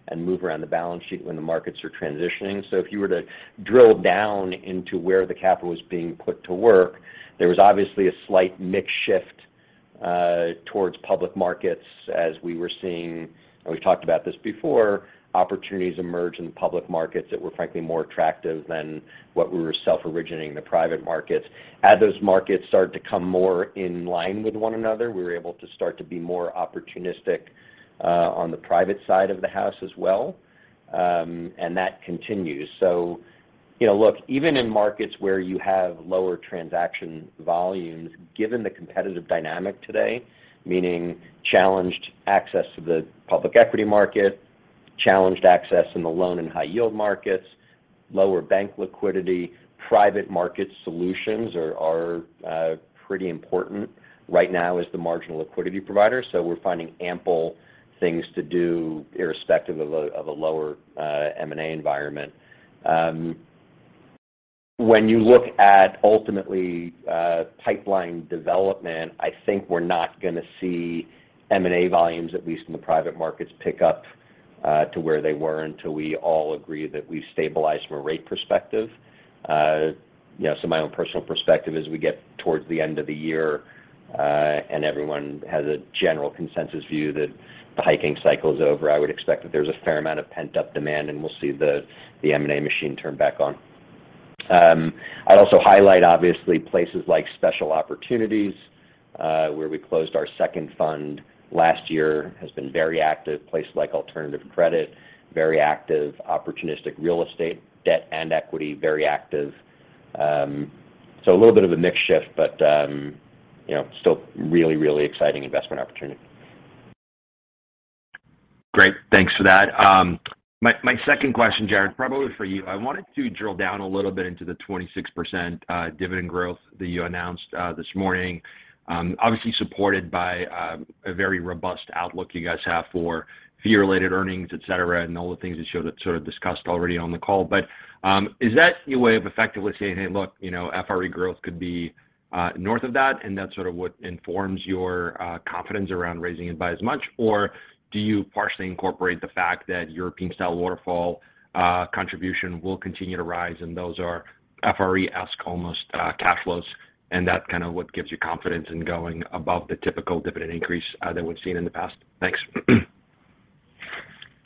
and move around the balance sheet when the markets are transitioning. If you were to drill down into where the capital was being put to work, there was obviously a slight mix shift towards public markets as we were seeing, and we've talked about this before, opportunities emerge in public markets that were frankly more attractive than what we were self-originating in the private markets. As those markets started to come more in line with one another, we were able to start to be more opportunistic on the private side of the house as well. That continues. You know, look, even in markets where you have lower transaction volumes, given the competitive dynamic today, meaning challenged access to the public equity market, challenged access in the loan and high yield markets, lower bank liquidity, private market solutions are pretty important right now as the marginal liquidity provider. We're finding ample things to do irrespective of a lower M&A environment. When you look at ultimately, pipeline development, I think we're not gonna see M&A volumes, at least in the private markets, pick up to where they were until we all agree that we've stabilized from a rate perspective. You know, my own personal perspective as we get towards the end of the year, and everyone has a general consensus view that the hiking cycle is over, I would expect that there's a fair amount of pent-up demand, and we'll see the M&A machine turn back on. I'd also highlight obviously places like Special Opportunities, where we closed our second fund last year, has been very active. Places like alternative credit, very active. Opportunistic real estate, debt and equity, very active. A little bit of a mix shift, but, you know, still really, really exciting investment opportunity. Great. Thanks for that. My second question, Jarrod, probably for you. I wanted to drill down a little bit into the 26% dividend growth that you announced this morning. Obviously supported by a very robust outlook you guys have for fee-related earnings, et cetera, and all the things that you showed that sort of discussed already on the call. Is that your way of effectively saying, "Hey, look, you know, FRE growth could be north of that," and that's sort of what informs your confidence around raising it by as much? Do you partially incorporate the fact that European-style waterfall contribution will continue to rise and those are FRE-esque almost cash flows, and that's kind of what gives you confidence in going above the typical dividend increase that we've seen in the past? Thanks.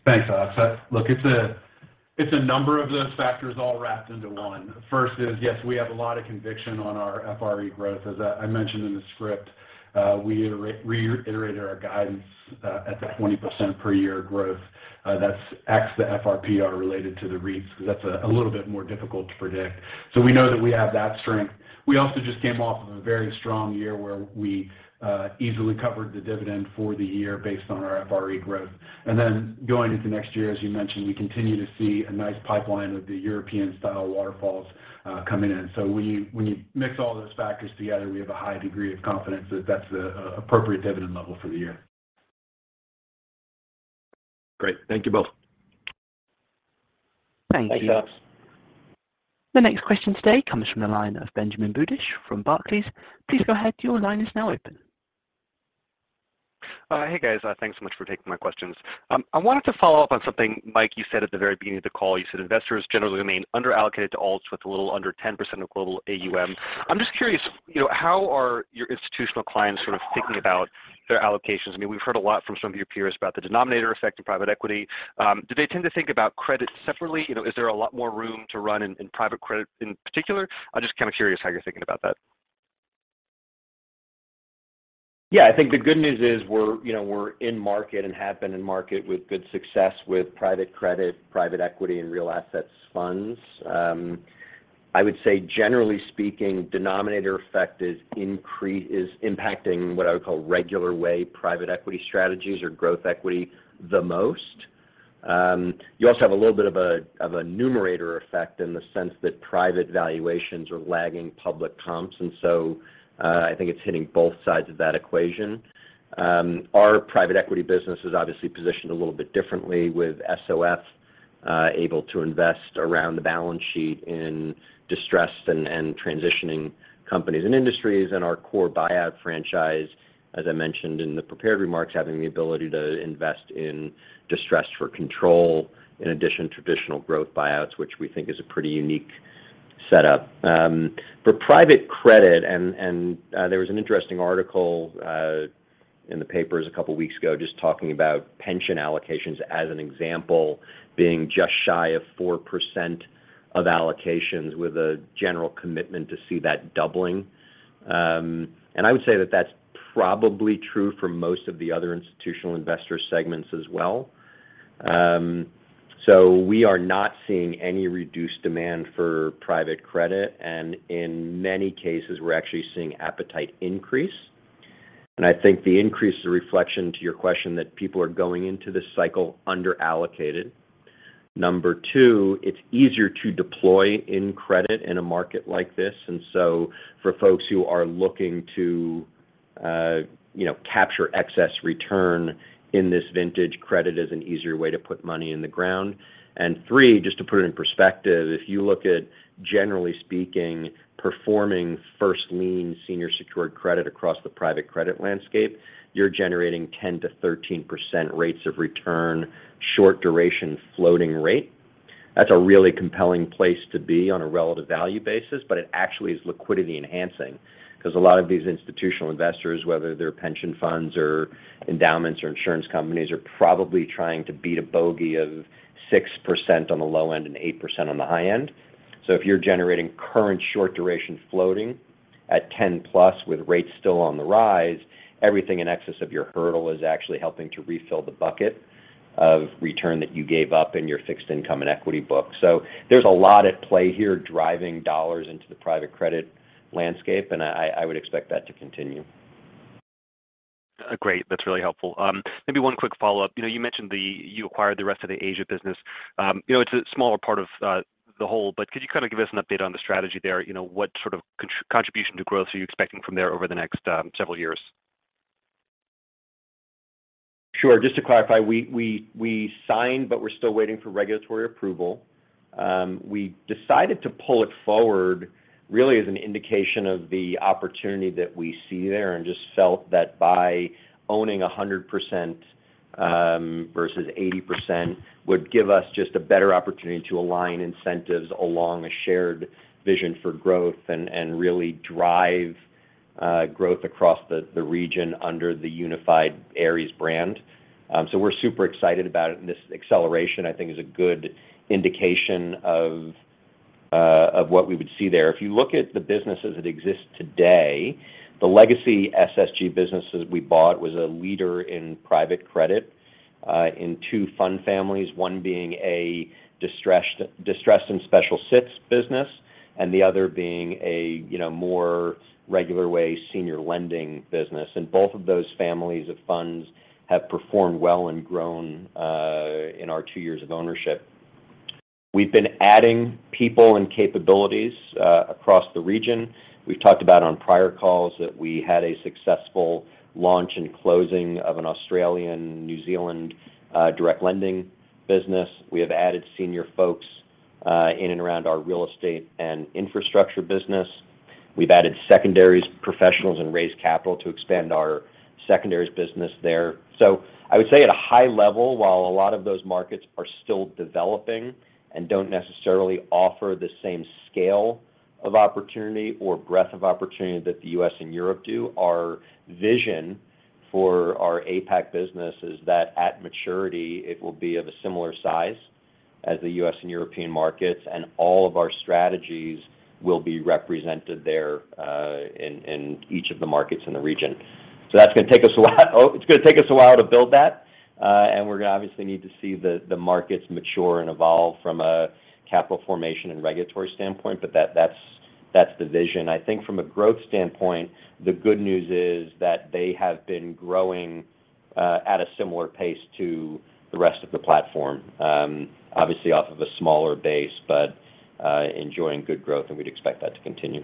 Thanks, Alex. Look, it's a number of those factors all wrapped into one. First is, yes, we have a lot of conviction on our FRE growth. As I mentioned in the script, we reiterated our guidance at the 20% per year growth. That's X the FRPR are related to the REITs, 'cause that's a little bit more difficult to predict. We know that we have that strength. We also just came off of a very strong year where we easily covered the dividend for the year based on our FRE growth. Going into next year, as you mentioned, we continue to see a nice pipeline of the European-style waterfalls coming in. When you, when you mix all those factors together, we have a high degree of confidence that that's the appropriate dividend level for the year. Great. Thank you both. Thank you. Thanks, Alex. The next question today comes from the line of Benjamin Budish from Barclays. Please go ahead, your line is now open. Hey, guys. Thanks so much for taking my questions. I wanted to follow up on something, Mike, you said at the very beginning of the call. You said investors generally remain under-allocated to alts with a little under 10% of global AUM. I'm just curious, you know, how are your institutional clients sort of thinking about their allocations? I mean, we've heard a lot from some of your peers about the denominator effect in private equity. Do they tend to think about credit separately? You know, is there a lot more room to run in private credit in particular? I'm just kinda curious how you're thinking about that. Yeah. I think the good news is we're, you know, we're in market and have been in market with good success with private credit, private equity, and real assets funds. I would say generally speaking, denominator effect is impacting what I would call regular way private equity strategies or growth equity the most. You also have a little bit of a, of a numerator effect in the sense that private valuations are lagging public comps. I think it's hitting both sides of that equation. Our private equity business is obviously positioned a little bit differently with ASOF, able to invest around the balance sheet in distressed and transitioning companies and industries. Our core buyout franchise, as I mentioned in the prepared remarks, having the ability to invest in distressed for control, in addition to traditional growth buyouts, which we think is a pretty unique setup. For private credit, there was an interesting article in the papers a couple weeks ago just talking about pension allocations as an example being just shy of 4% of allocations with a general commitment to see that doubling. I would say that that's probably true for most of the other institutional investor segments as well. We are not seeing any reduced demand for private credit, and in many cases, we're actually seeing appetite increase. I think the increase is a reflection to your question that people are going into this cycle under-allocated. Number two, it's easier to deploy in credit in a market like this. For folks who are looking to, you know, capture excess return in this vintage, credit is an easier way to put money in the ground. Three, just to put it in perspective, if you look at, generally speaking, performing first lien senior secured credit across the private credit landscape, you're generating 10%-13% rates of return, short duration floating rate. That's a really compelling place to be on a relative value basis, but it actually is liquidity enhancing. 'Cause a lot of these institutional investors, whether they're pension funds or endowments or insurance companies, are probably trying to beat a bogey of 6% on the low end and 8% on the high end. If you're generating current short duration floating at 10+ with rates still on the rise, everything in excess of your hurdle is actually helping to refill the bucket of return that you gave up in your fixed income and equity book. There's a lot at play here driving dollars into the private credit landscape, and I would expect that to continue. Great. That's really helpful. Maybe one quick follow-up. You know, you mentioned you acquired the rest of the Asia business. You know, it's a smaller part of the whole, but could you kind of give us an update on the strategy there? You know, what sort of contribution to growth are you expecting from there over the next several years? Sure. Just to clarify, we signed, We're still waiting for regulatory approval. We decided to pull it forward really as an indication of the opportunity that we see there, Just felt that by owning 100%, versus 80% would give us just a better opportunity to align incentives along a shared vision for growth and really drive growth across the region under the unified Ares brand. We're super excited about it, and this acceleration, I think is a good indication of what we would see there. If you look at the business as it exists today, the legacy SSG businesses we bought was a leader in private credit, in two fund families, one being a distressed and special sits business, and the other being a, you know, more regular way senior lending business. Both of those families of funds have performed well and grown, in our two years of ownership. We've been adding people and capabilities, across the region. We've talked about on prior calls that we had a successful launch and closing of an Australian New Zealand, direct lending business. We have added senior folks, in and around our real estate and infrastructure business. We've added secondaries professionals and raised capital to expand our secondaries business there. I would say at a high level, while a lot of those markets are still developing and don't necessarily offer the same scale of opportunity or breadth of opportunity that the U.S. and Europe do, our vision for our APAC business is that at maturity it will be of a similar size as the U.S. and European markets, and all of our strategies will be represented there, in each of the markets in the region. That's gonna take us a while to build that, and we're gonna obviously need to see the markets mature and evolve from a capital formation and regulatory standpoint, but that's the vision. From a growth standpoint, the good news is that they have been growing, at a similar pace to the rest of the platform. Obviously off of a smaller base, but enjoying good growth and we'd expect that to continue.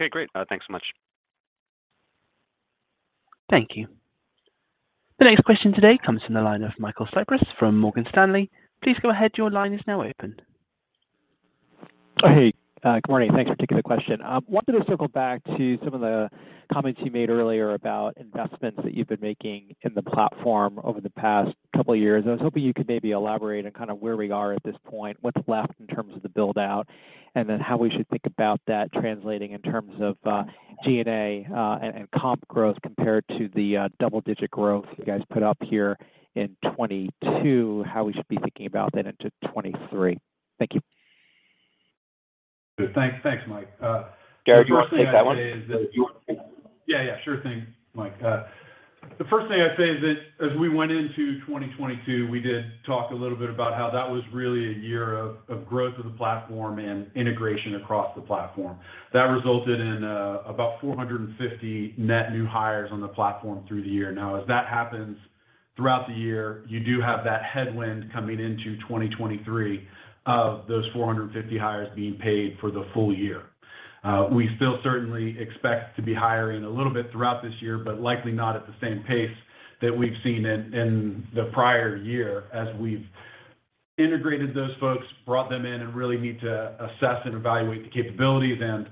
Okay, great. Thanks so much. Thank you. The next question today comes from the line of Michael Cyprys from Morgan Stanley. Please go ahead. Your line is now open. Hey, good morning. Thanks for taking the question. Wanted to circle back to some of the comments you made earlier about investments that you've been making in the platform over the past couple years. I was hoping you could maybe elaborate on kind of where we are at this point, what's left in terms of the build out, and then how we should think about that translating in terms of G&A, and comp growth compared to the double-digit growth you guys put up here in 2022, how we should be thinking about that into 2023. Thank you. Good. Thanks. Thanks, Mike. Jarrod, do you want to take that one? Yeah. Yeah. Sure thing, Mike. The first thing I'd say is that as we went into 2022, we did talk a little bit about how that was really a year of growth of the platform and integration across the platform. That resulted in about 450 net new hires on the platform through the year. Now, as that happens throughout the year, you do have that headwind coming into 2023 of those 450 hires being paid for the full year. We still certainly expect to be hiring a little bit throughout this year, but likely not at the same pace that we've seen in the prior year as we've integrated those folks, brought them in, and really need to assess and evaluate the capabilities and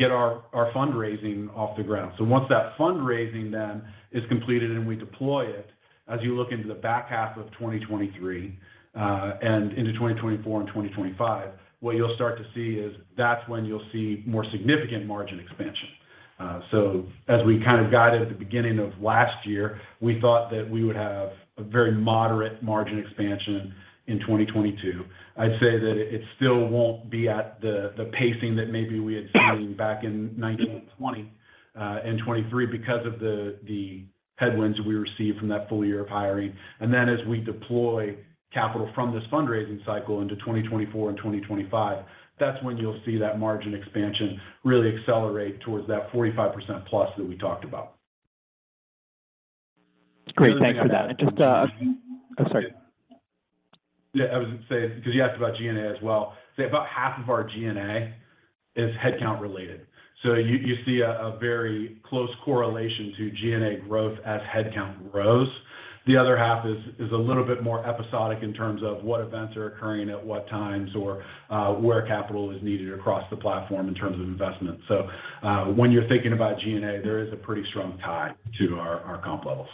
get our fundraising off the ground. Once that fundraising then is completed and we deploy it, as you look into the back half of 2023, and into 2024 and 2025, what you'll start to see is that's when you'll see more significant margin expansion. As we kind of guided at the beginning of last year, we thought that we would have a very moderate margin expansion in 2022. I'd say that it still won't be at the pacing that maybe we had seen back in 2019 and 2020, and 2023 because of the headwinds we received from that full year of hiring. Then as we deploy capital from this fundraising cycle into 2024 and 2025, that's when you'll see that margin expansion really accelerate towards that 45% plus that we talked about. Great. Thanks for that. Oh, sorry. Yeah, I was gonna say, because you asked about G&A as well, say about half of our G&A is headcount related. You see a very close correlation to G&A growth as headcount grows. The other half is a little bit more episodic in terms of what events are occurring at what times or where capital is needed across the platform in terms of investment. When you're thinking about G&A, there is a pretty strong tie to our comp levels.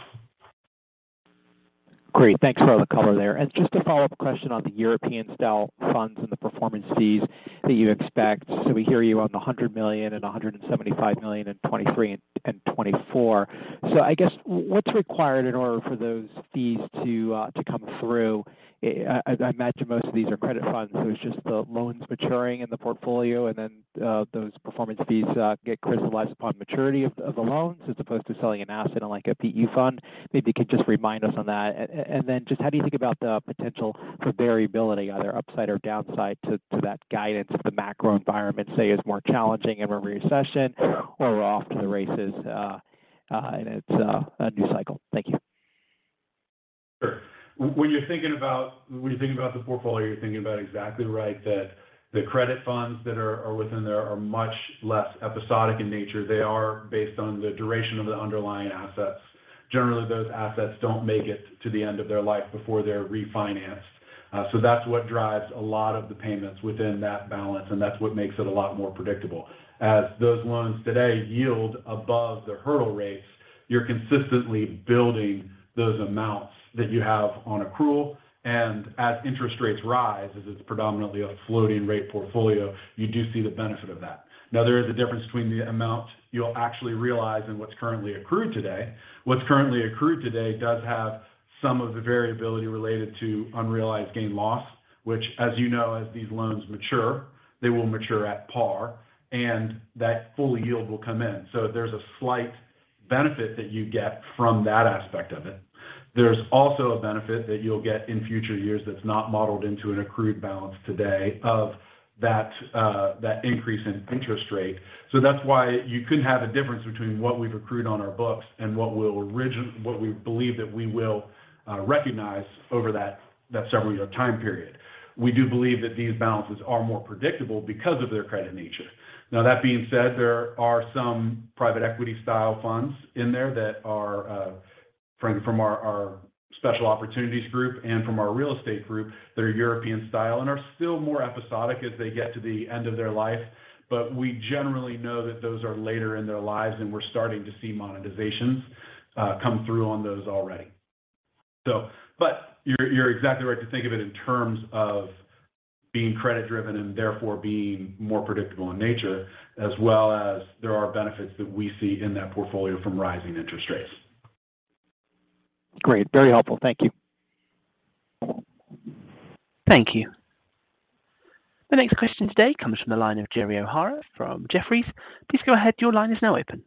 Great. Thanks for all the color there. Just a follow-up question on the European-style funds and the performance fees that you expect. We hear you on the $100 million and $175 million in 2023 and 2024. I guess what's required in order for those fees to come through? I imagine most of these are credit funds, so it's just the loans maturing in the portfolio and then those performance fees get crystallized upon maturity of the loans as opposed to selling an asset on like a PE fund. Maybe you could just remind us on that. Then just how do you think about the potential for variability, either upside or downside to that guidance if the macro environment, say, is more challenging and we're in recession or we're off to the races, and it's a new cycle. Thank you. Sure. When you're thinking about the portfolio, you're thinking about exactly right that the credit funds that are within there are much less episodic in nature. They are based on the duration of the underlying assets. Generally, those assets don't make it to the end of their life before they're refinanced. That's what drives a lot of the payments within that balance, and that's what makes it a lot more predictable. As those loans today yield above the hurdle rates, you're consistently building those amounts that you have on accrual. As interest rates rise, as it's predominantly a floating rate portfolio, you do see the benefit of that. There is a difference between the amount you'll actually realize and what's currently accrued today. What's currently accrued today does have some of the variability related to unrealized gain loss, which, as you know, as these loans mature, they will mature at par, and that full yield will come in. There's a slight benefit that you get from that aspect of it. There's also a benefit that you'll get in future years that's not modeled into an accrued balance today of that increase in interest rate. That's why you could have a difference between what we've accrued on our books and what we believe that we will recognize over that several year time period. We do believe that these balances are more predictable because of their credit nature. That being said, there are some private equity-style funds in there that are from our Special Opportunities group and from our Real Estate group that are European-style and are still more episodic as they get to the end of their life. We generally know that those are later in their lives, and we're starting to see monetizations come through on those already. You're exactly right to think of it in terms of being credit-driven and therefore being more predictable in nature, as well as there are benefits that we see in that portfolio from rising interest rates. Great. Very helpful. Thank you. Thank you. The next question today comes from the line of Gerald O'Hara from Jefferies. Please go ahead. Your line is now open.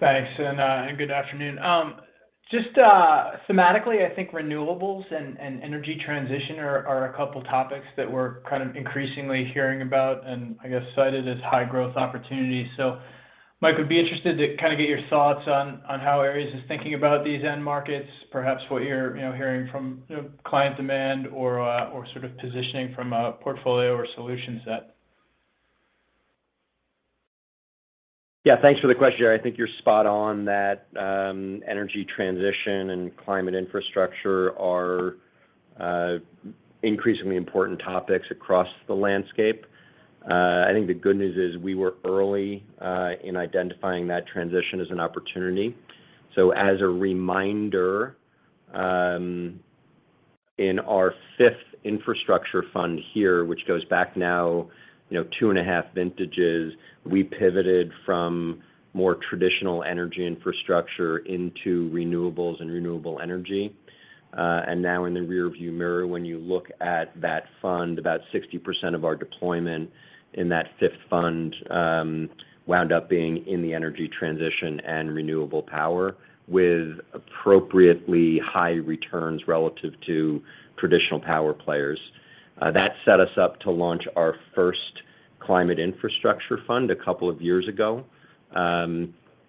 Thanks, and good afternoon. Just, thematically, I think renewables and energy transition are a couple topics that we're kind of increasingly hearing about and I guess cited as high growth opportunities. Mike, would be interested to kind of get your thoughts on how Ares is thinking about these end markets, perhaps what you're, you know, hearing from, you know, client demand or sort of positioning from a portfolio or solution set. Yeah. Thanks for the question, Gerald. I think you're spot on that energy transition and climate infrastructure are increasingly important topics across the landscape. I think the good news is we were early in identifying that transition as an opportunity. As a reminder, in our fifth infrastructure fund here, which goes back now, you know, two and a half vintages, we pivoted from more traditional energy infrastructure into renewables and renewable energy. Now in the rear view mirror, when you look at that fund, about 60% of our deployment in that fifth fund wound up being in the energy transition and renewable power with appropriately high returns relative to traditional power players. That set us up to launch our first climate infrastructure fund a couple of years ago.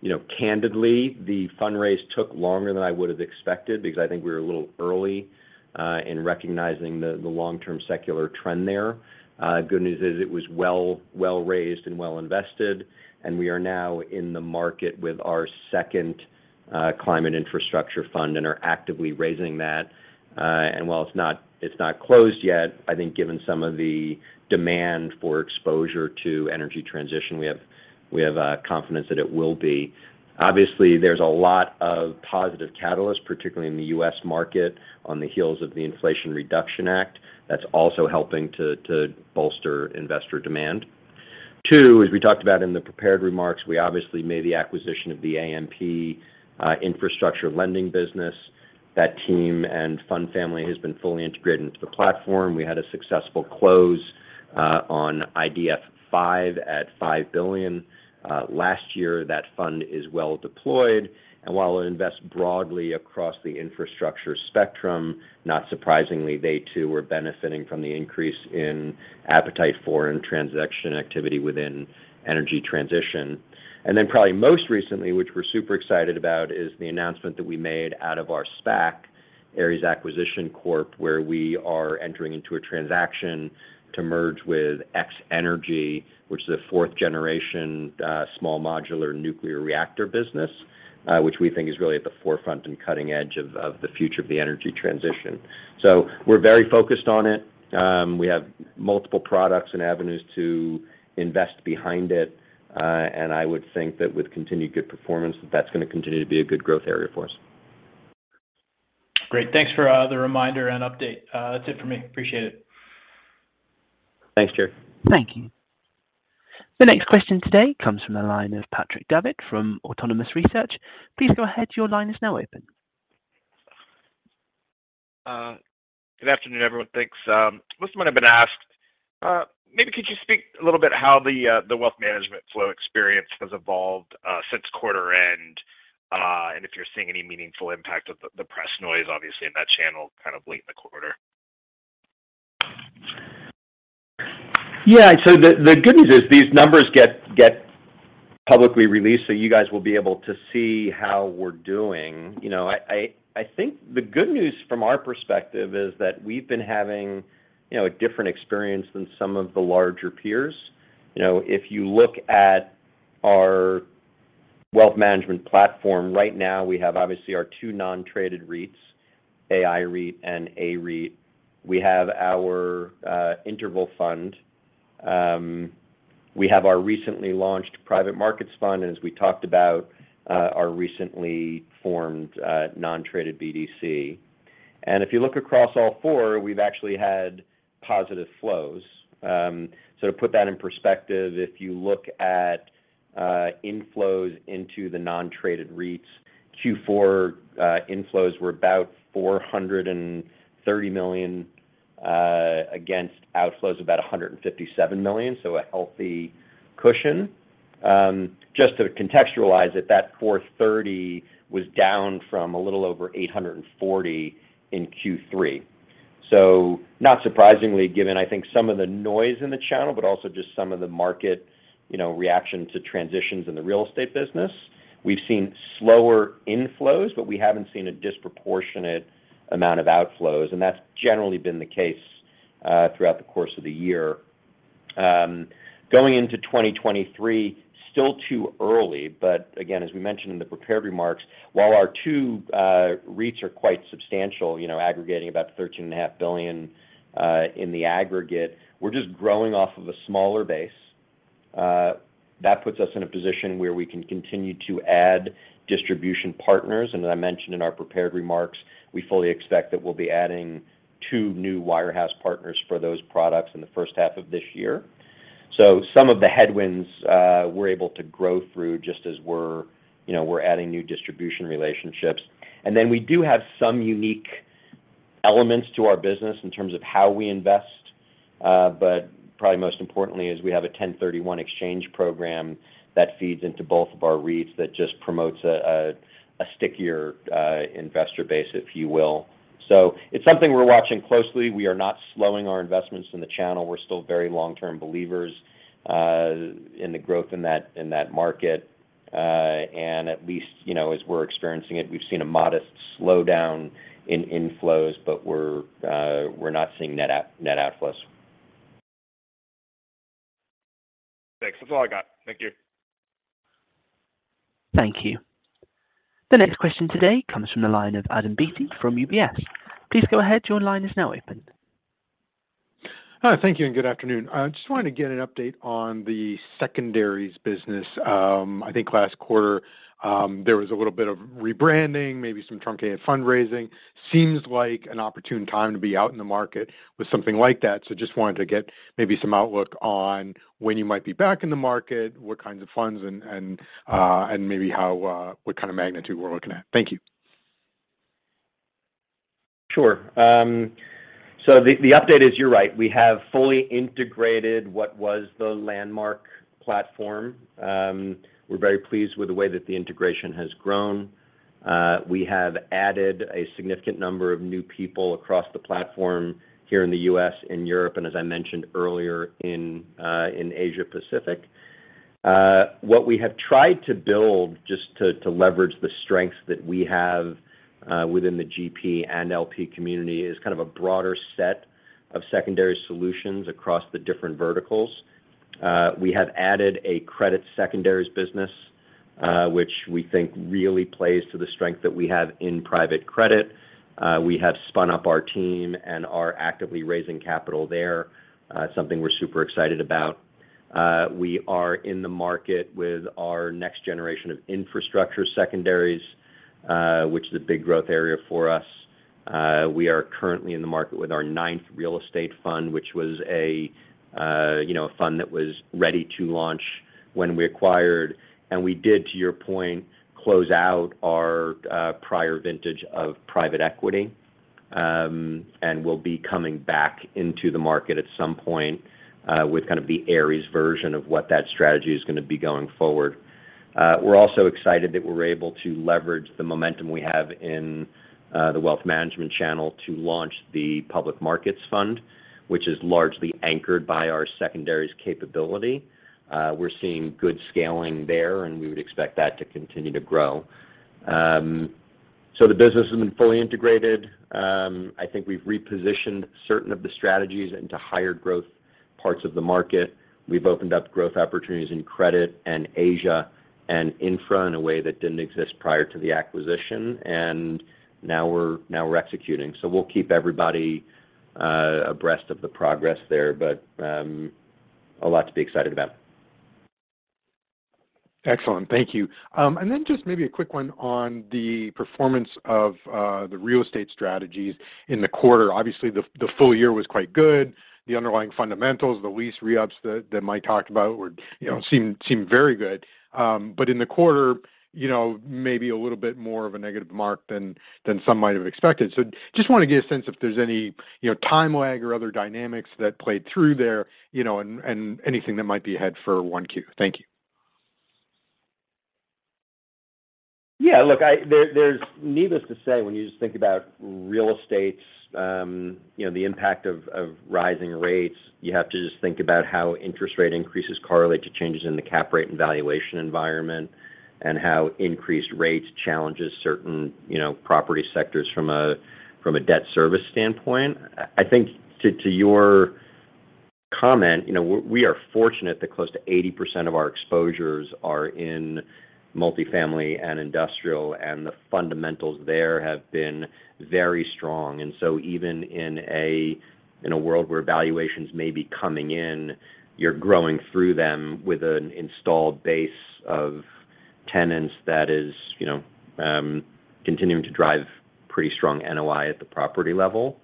You know, candidly, the fundraise took longer than I would've expected because I think we were a little early in recognizing the long-term secular trend there. Good news is it was well raised and well invested, and we are now in the market with our second climate infrastructure fund and are actively raising that. And while it's not closed yet, I think given some of the demand for exposure to energy transition, we have confidence that it will be. Obviously, there's a lot of positive catalyst, particularly in the U.S. market on the heels of the Inflation Reduction Act. That's also helping to bolster investor demand. Two, as we talked about in the prepared remarks, we obviously made the acquisition of the AMP infrastructure lending business. That team and fund family has been fully integrated into the platform. We had a successful close on IDF V at $5 billion last year. That fund is well deployed. While it invests broadly across the infrastructure spectrum, not surprisingly, they too were benefiting from the increase in appetite for and transaction activity within energy transition. Probably most recently, which we're super excited about, is the announcement that we made out of our SPAC, Ares Acquisition Corporation, where we are entering into a transaction to merge with X-energy, which is a fourth-generation small modular nuclear reactor business, which we think is really at the forefront and cutting edge of the future of the energy transition. We're very focused on it. We have multiple products and avenues to invest behind it. I would think that with continued good performance, that's gonna continue to be a good growth area for us. Great. Thanks for the reminder and update. That's it for me. Appreciate it. Thanks, Gerald. Thank you. The next question today comes from the line of Patrick Davitt from Autonomous Research. Please go ahead. Your line is now open. Good afternoon, everyone. Thanks. This might have been asked. Maybe could you speak a little bit how the the wealth management flow experience has evolved since quarter end, and if you're seeing any meaningful impact of the the press noise obviously in that channel kind of late in the quarter? Yeah. The good news is these numbers get publicly released, so you guys will be able to see how we're doing. You know, I think the good news from our perspective is that we've been having, you know, a different experience than some of the larger peers. You know, if you look at our wealth management platform right now, we have obviously our two non-traded REITs, AIREIT and AREIT. We have our interval fund. We have our recently launched private markets fund, and as we talked about, our recently formed non-traded BDC. If you look across all four, we've actually had positive flows. To put that in perspective, if you look at inflows into the non-traded REITs, Q4 inflows were about $430 million against outflows about $157 million, a healthy cushion. Just to contextualize it, that $430 was down from a little over $840 in Q3. Not surprisingly, given I think some of the noise in the channel, but also just some of the market, you know, reaction to transitions in the real estate business. We've seen slower inflows, but we haven't seen a disproportionate amount of outflows, and that's generally been the case throughout the course of the year. Going into 2023, still too early, but again, as we mentioned in the prepared remarks, while our two REITs are quite substantial, aggregating about thirteen and a half billion dollars in the aggregate, we're just growing off of a smaller base. That puts us in a position where we can continue to add distribution partners. As I mentioned in our prepared remarks, we fully expect that we'll be adding two new wirehouse partners for those products in the first half of this year. Some of the headwinds, we're able to grow through just as, you know, we're adding new distribution relationships. Then we do have some unique elements to our business in terms of how we invest. Probably most importantly is we have a 1031 exchange program that feeds into both of our REITs that just promotes a stickier investor base, if you will. It's something we're watching closely. We are not slowing our investments in the channel. We're still very long-term believers in the growth in that, in that market. At least, you know, as we're experiencing it, we've seen a modest slowdown in inflows, but we're not seeing net outflows. Thanks. That's all I got. Thank you. Thank you. The next question today comes from the line of Adam Beatty from UBS. Please go ahead. Your line is now open. Hi. Thank you, and good afternoon. I just wanted to get an update on the secondaries business. I think last quarter, there was a little bit of rebranding, maybe some truncated fundraising. Seems like an opportune time to be out in the market with something like that. Just wanted to get maybe some outlook on when you might be back in the market, what kinds of funds, and maybe how, what kind of magnitude we're looking at. Thank you. Sure. The update is, you're right. We have fully integrated what was the Landmark platform. We're very pleased with the way that the integration has grown. We have added a significant number of new people across the platform here in the U.S. and Europe, and as I mentioned earlier, in Asia Pacific. What we have tried to build just to leverage the strengths that we have within the GP and LP community is kind of a broader set of secondary solutions across the different verticals. We have added a credit secondaries business, which we think really plays to the strength that we have in private credit. We have spun up our team and are actively raising capital there, something we're super excited about. We are in the market with our next generation of infrastructure secondaries, which is a big growth area for us. We are currently in the market with our ninth real estate fund, which was a, you know, a fund that was ready to launch when we acquired. We did, to your point, close out our prior vintage of private equity, and we'll be coming back into the market at some point, with kind of the Ares version of what that strategy is gonna be going forward. We're also excited that we're able to leverage the momentum we have in the wealth management channel to launch the public markets fund, which is largely anchored by our secondaries capability. We're seeing good scaling there, and we would expect that to continue to grow. The business has been fully integrated. I think we've repositioned certain of the strategies into higher growth parts of the market. We've opened up growth opportunities in credit and Asia and infra in a way that didn't exist prior to the acquisition. Now we're executing. We'll keep everybody abreast of the progress there, but a lot to be excited about. Excellent. Thank you. Just maybe a quick one on the performance of the real estate strategies in the quarter. Obviously, the full year was quite good. The underlying fundamentals, the lease re-ups that Mike talked about, you know, seem very good. In the quarter, you know, maybe a little bit more of a negative mark than some might have expected. Just want to get a sense if there's any, you know, time lag or other dynamics that played through there, you know, and anything that might be ahead for 1Q. Thank you. Yeah. Look, there's needless to say, when you just think about real estate's, you know, the impact of rising rates, you have to just think about how interest rate increases correlate to changes in the cap rate and valuation environment, and how increased rates challenges certain, you know, property sectors from a, from a debt service standpoint. I think to your comment. You know, we are fortunate that close to 80% of our exposures are in multifamily and industrial, and the fundamentals there have been very strong. Even in a, in a world where valuations may be coming in, you're growing through them with an installed base of tenants that is, you know, continuing to drive pretty strong NOI at the property level.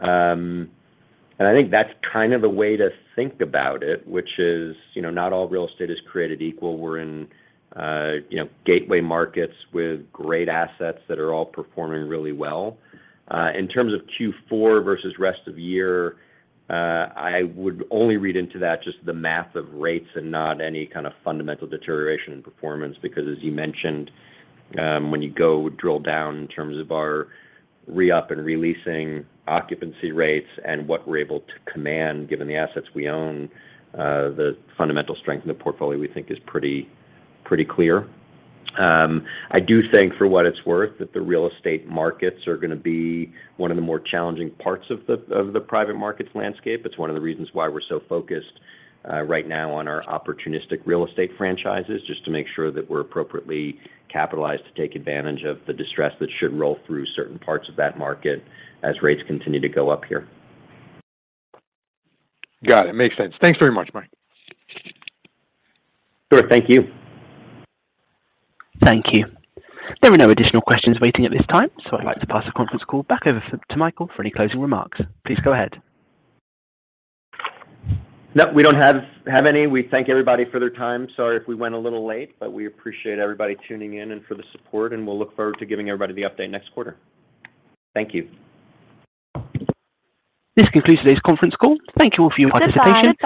I think that's kind of the way to think about it, which is, you know, not all real estate is created equal. We're in, you know, gateway markets with great assets that are all performing really well. In terms of Q4 versus rest of year, I would only read into that just the math of rates and not any kind of fundamental deterioration in performance. As you mentioned, when you go drill down in terms of our re-up and re-leasing occupancy rates and what we're able to command given the assets we own, the fundamental strength in the portfolio we think is pretty clear. I do think for what it's worth, that the real estate markets are gonna be one of the more challenging parts of the private markets landscape. It's one of the reasons why we're so focused, right now on our opportunistic real estate franchises, just to make sure that we're appropriately capitalized to take advantage of the distress that should roll through certain parts of that market as rates continue to go up here. Got it. Makes sense. Thanks very much, Mike. Sure. Thank you. Thank you. There are no additional questions waiting at this time, so I'd like to pass the conference call back over to Michael for any closing remarks. Please go ahead. Nope, we don't have any. We thank everybody for their time. Sorry if we went a little late. We appreciate everybody tuning in and for the support. We'll look forward to giving everybody the update next quarter. Thank you. This concludes today's conference call. Thank you all for your participation.